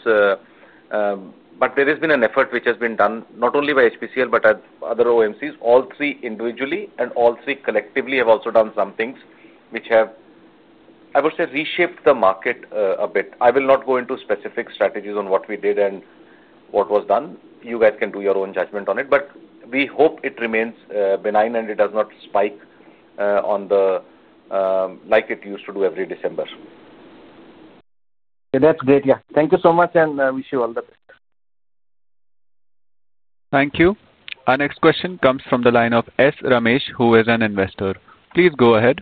There has been an effort which has been done not only by HPCL, but at other OMCs. All three individually and all three collectively have also done some things which have, I would say, reshaped the market a bit. I will not go into specific strategies on what we did and what was done. You guys can do your own judgment on it. We hope it remains benign and it does not spike like it used to do every December. That's great. Thank you so much, and I wish you all the best. Thank you. Our next question comes from the line of S. Ramesh, who is an investor. Please go ahead.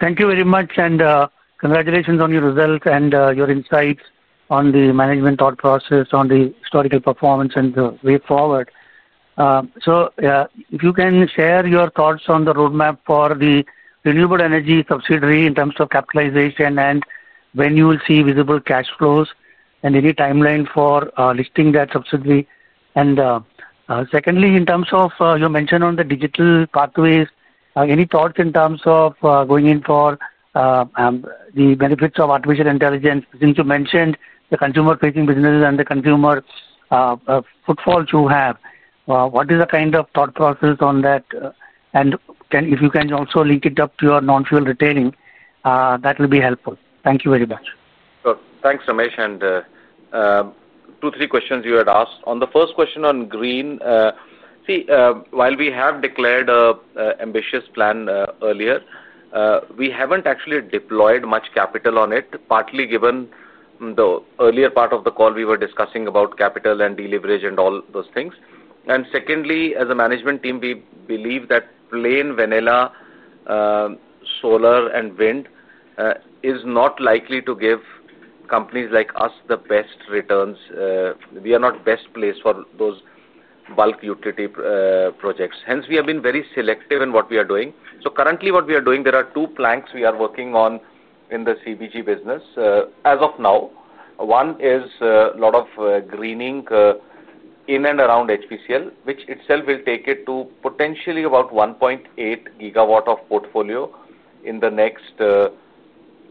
Thank you very much, and congratulations. On your results and your insights on the management thought process, on the historical performance, and the way forward. If you can share your thoughts on the roadmap for the renewable energy subsidiary in terms of capitalization and when you will see visible cash flows and any timeline for listing that subsidiary. Secondly, you mentioned on the digital pathways, any thoughts in terms of going in for the benefits of artificial intelligence, since you mentioned the consumer-facing businesses and the consumer footfalls you have. What is the kind of thought process on that? If you can also link it up to your non-fuel retailing, that will be helpful. Thank you very much. Sure. Thanks, Ramesh. Two, three questions you had asked. On the first question on green, see, while we have declared an ambitious plan earlier, we haven't actually deployed much capital on it, partly given the earlier part of the call we were discussing about capital and deleverage and all those things. Secondly, as a management team, we believe that plain vanilla solar and wind is not likely to give companies like us the best returns. We are not best placed for those bulk utility projects. Hence, we have been very selective in what we are doing. Currently, what we are doing, there are two planks we are working on in the CBG business as of now. One is a lot of greening in and around HPCL, which itself will take it to potentially about 1.8GW of portfolio in the next,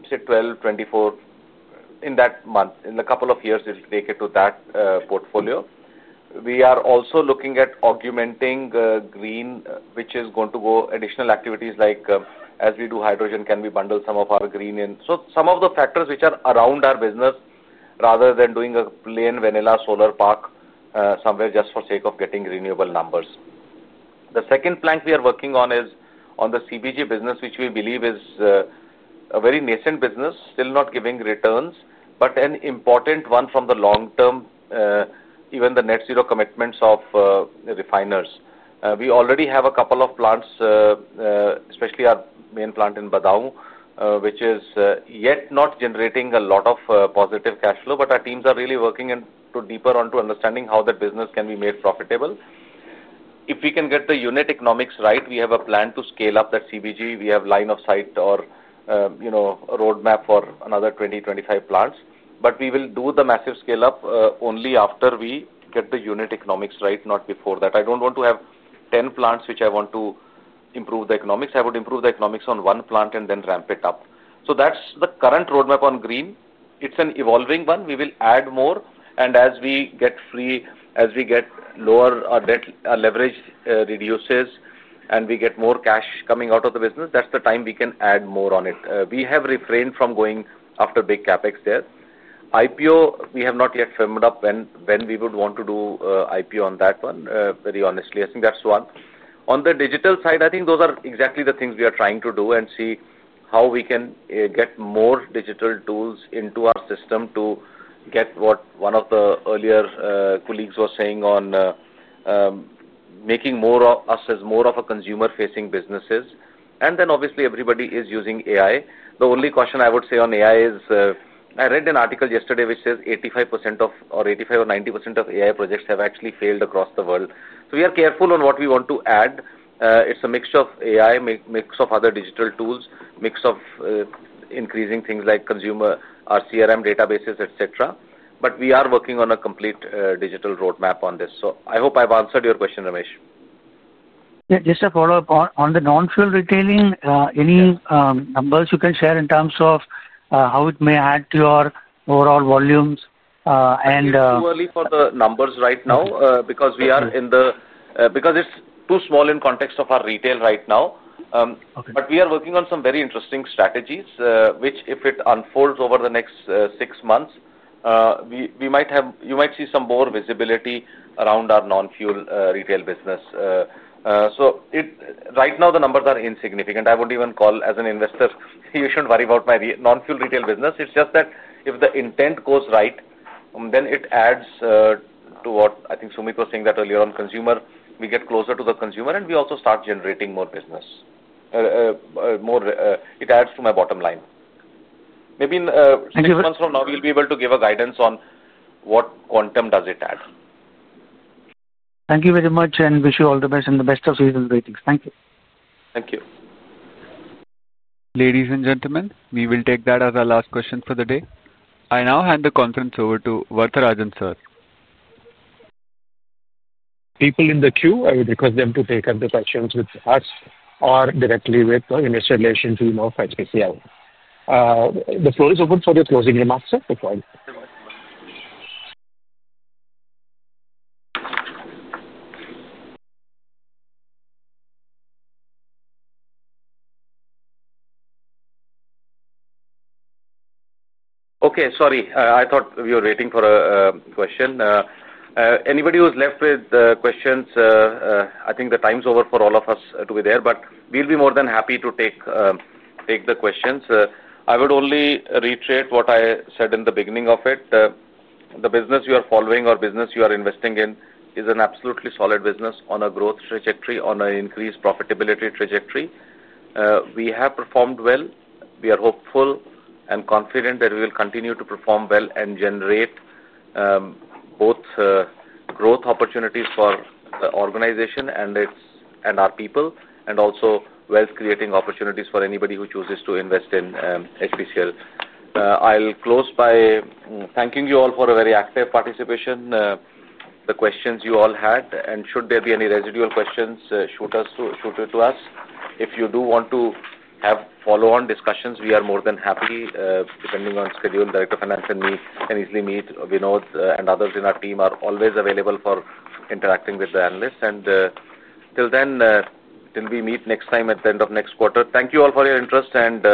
say, 12, 24, in that month. In a couple of years, it'll take it to that portfolio. We are also looking at augmenting green, which is going to go additional activities like, as we do hydrogen, can we bundle some of our green in? Some of the factors which are around our business rather than doing a plain vanilla solar park somewhere just for sake of getting renewable numbers. The second plank we are working on is on the CBG business, which we believe is a very nascent business, still not giving returns, but an important one from the long term, even the net zero commitments of refiners. We already have a couple of plants, especially our main plant in Badau, which is yet not generating a lot of positive cash flow, but our teams are really working deeper onto understanding how that business can be made profitable. If we can get the unit economics right, we have a plan to scale up that CBG. We have line of sight or, you know, roadmap for another 20, 25 plants. We will do the massive scale up only after we get the unit economics right, not before that. I don't want to have 10 plants which I want to improve the economics. I would improve the economics on one plant and then ramp it up. That's the current roadmap on green. It's an evolving one. We will add more. As we get free, as we get lower, our debt, our leverage, reduces, and we get more cash coming out of the business, that's the time we can add more on it. We have refrained from going after big CapEx there. IPO, we have not yet firmed up when we would want to do IPO on that one, very honestly. I think that's one. On the digital side, I think those are exactly the things we are trying to do and see how we can get more digital tools into our system to get what one of the earlier colleagues was saying on making more of us as more of a consumer-facing businesses. Obviously, everybody is using AI. The only question I would say on AI is, I read an article yesterday which says 85% or 85 or 90% of AI projects have actually failed across the world. We are careful on what we want to add. It's a mixture of AI, mix of other digital tools, mix of increasing things like consumer RCRM databases, etc. We are working on a complete digital roadmap on this. I hope I've answered your question, Ramesh. Yeah, just a follow-up on the non-fuel retailing. Any numbers you can share in terms of how it may add to your overall volumes? It's too early for the numbers right now, because it's too small in context of our retail right now. Okay. We are working on some very interesting strategies, which, if it unfolds over the next six months, you might see some more visibility around our non-fuel retail business. Right now, the numbers are insignificant. I wouldn't even call, as an investor, you shouldn't worry about my non-fuel retail business. It's just that if the intent goes right, then it adds to what I think Sumeet was saying that earlier on, we get closer to the consumer, and we also start generating more business. It adds to my bottom line. Maybe in six months from now, we'll be able to give a guidance on what quantum does it add. Thank you very much and wish you all the best and the best of season greetings. Thank you. Thank you. Ladies and gentlemen, we will take that as our last question for the day. I now hand the conference over to Varatharajan sir. People in the queue, I would request them to take up the questions with us or directly with the Investor Relation team of HPCL. The floor is open for your closing remarks, sir. Before I. Okay. Sorry. I thought we were waiting for a question. Anybody who's left with questions, I think the time's over for all of us to be there. We'll be more than happy to take the questions. I would only reiterate what I said in the beginning of it. The business we are following or business you are investing in is an absolutely solid business on a growth trajectory, on an increased profitability trajectory. We have performed well. We are hopeful and confident that we will continue to perform well and generate both growth opportunities for the organization and its and our people, and also wealth-creating opportunities for anybody who chooses to invest in HPCL. I'll close by thanking you all for a very active participation, the questions you all had. Should there be any residual questions, shoot it to us. If you do want to have follow-on discussions, we are more than happy, depending on schedule. Director of Finance and me can easily meet. Vinod and others in our team are always available for interacting with the analysts. Till then, till we meet next time at the end of next quarter, thank you all for your interest and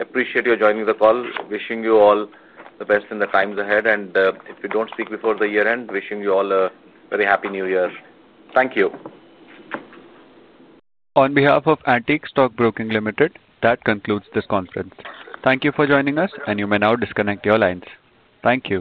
appreciate your joining the call. Wishing you all the best in the times ahead. If we don't speak before the year-end, wishing you all a very happy new year. Thank you. On behalf of Antique Stock Broking Limited, that concludes this conference. Thank you for joining us, and you may now disconnect your lines. Thank you.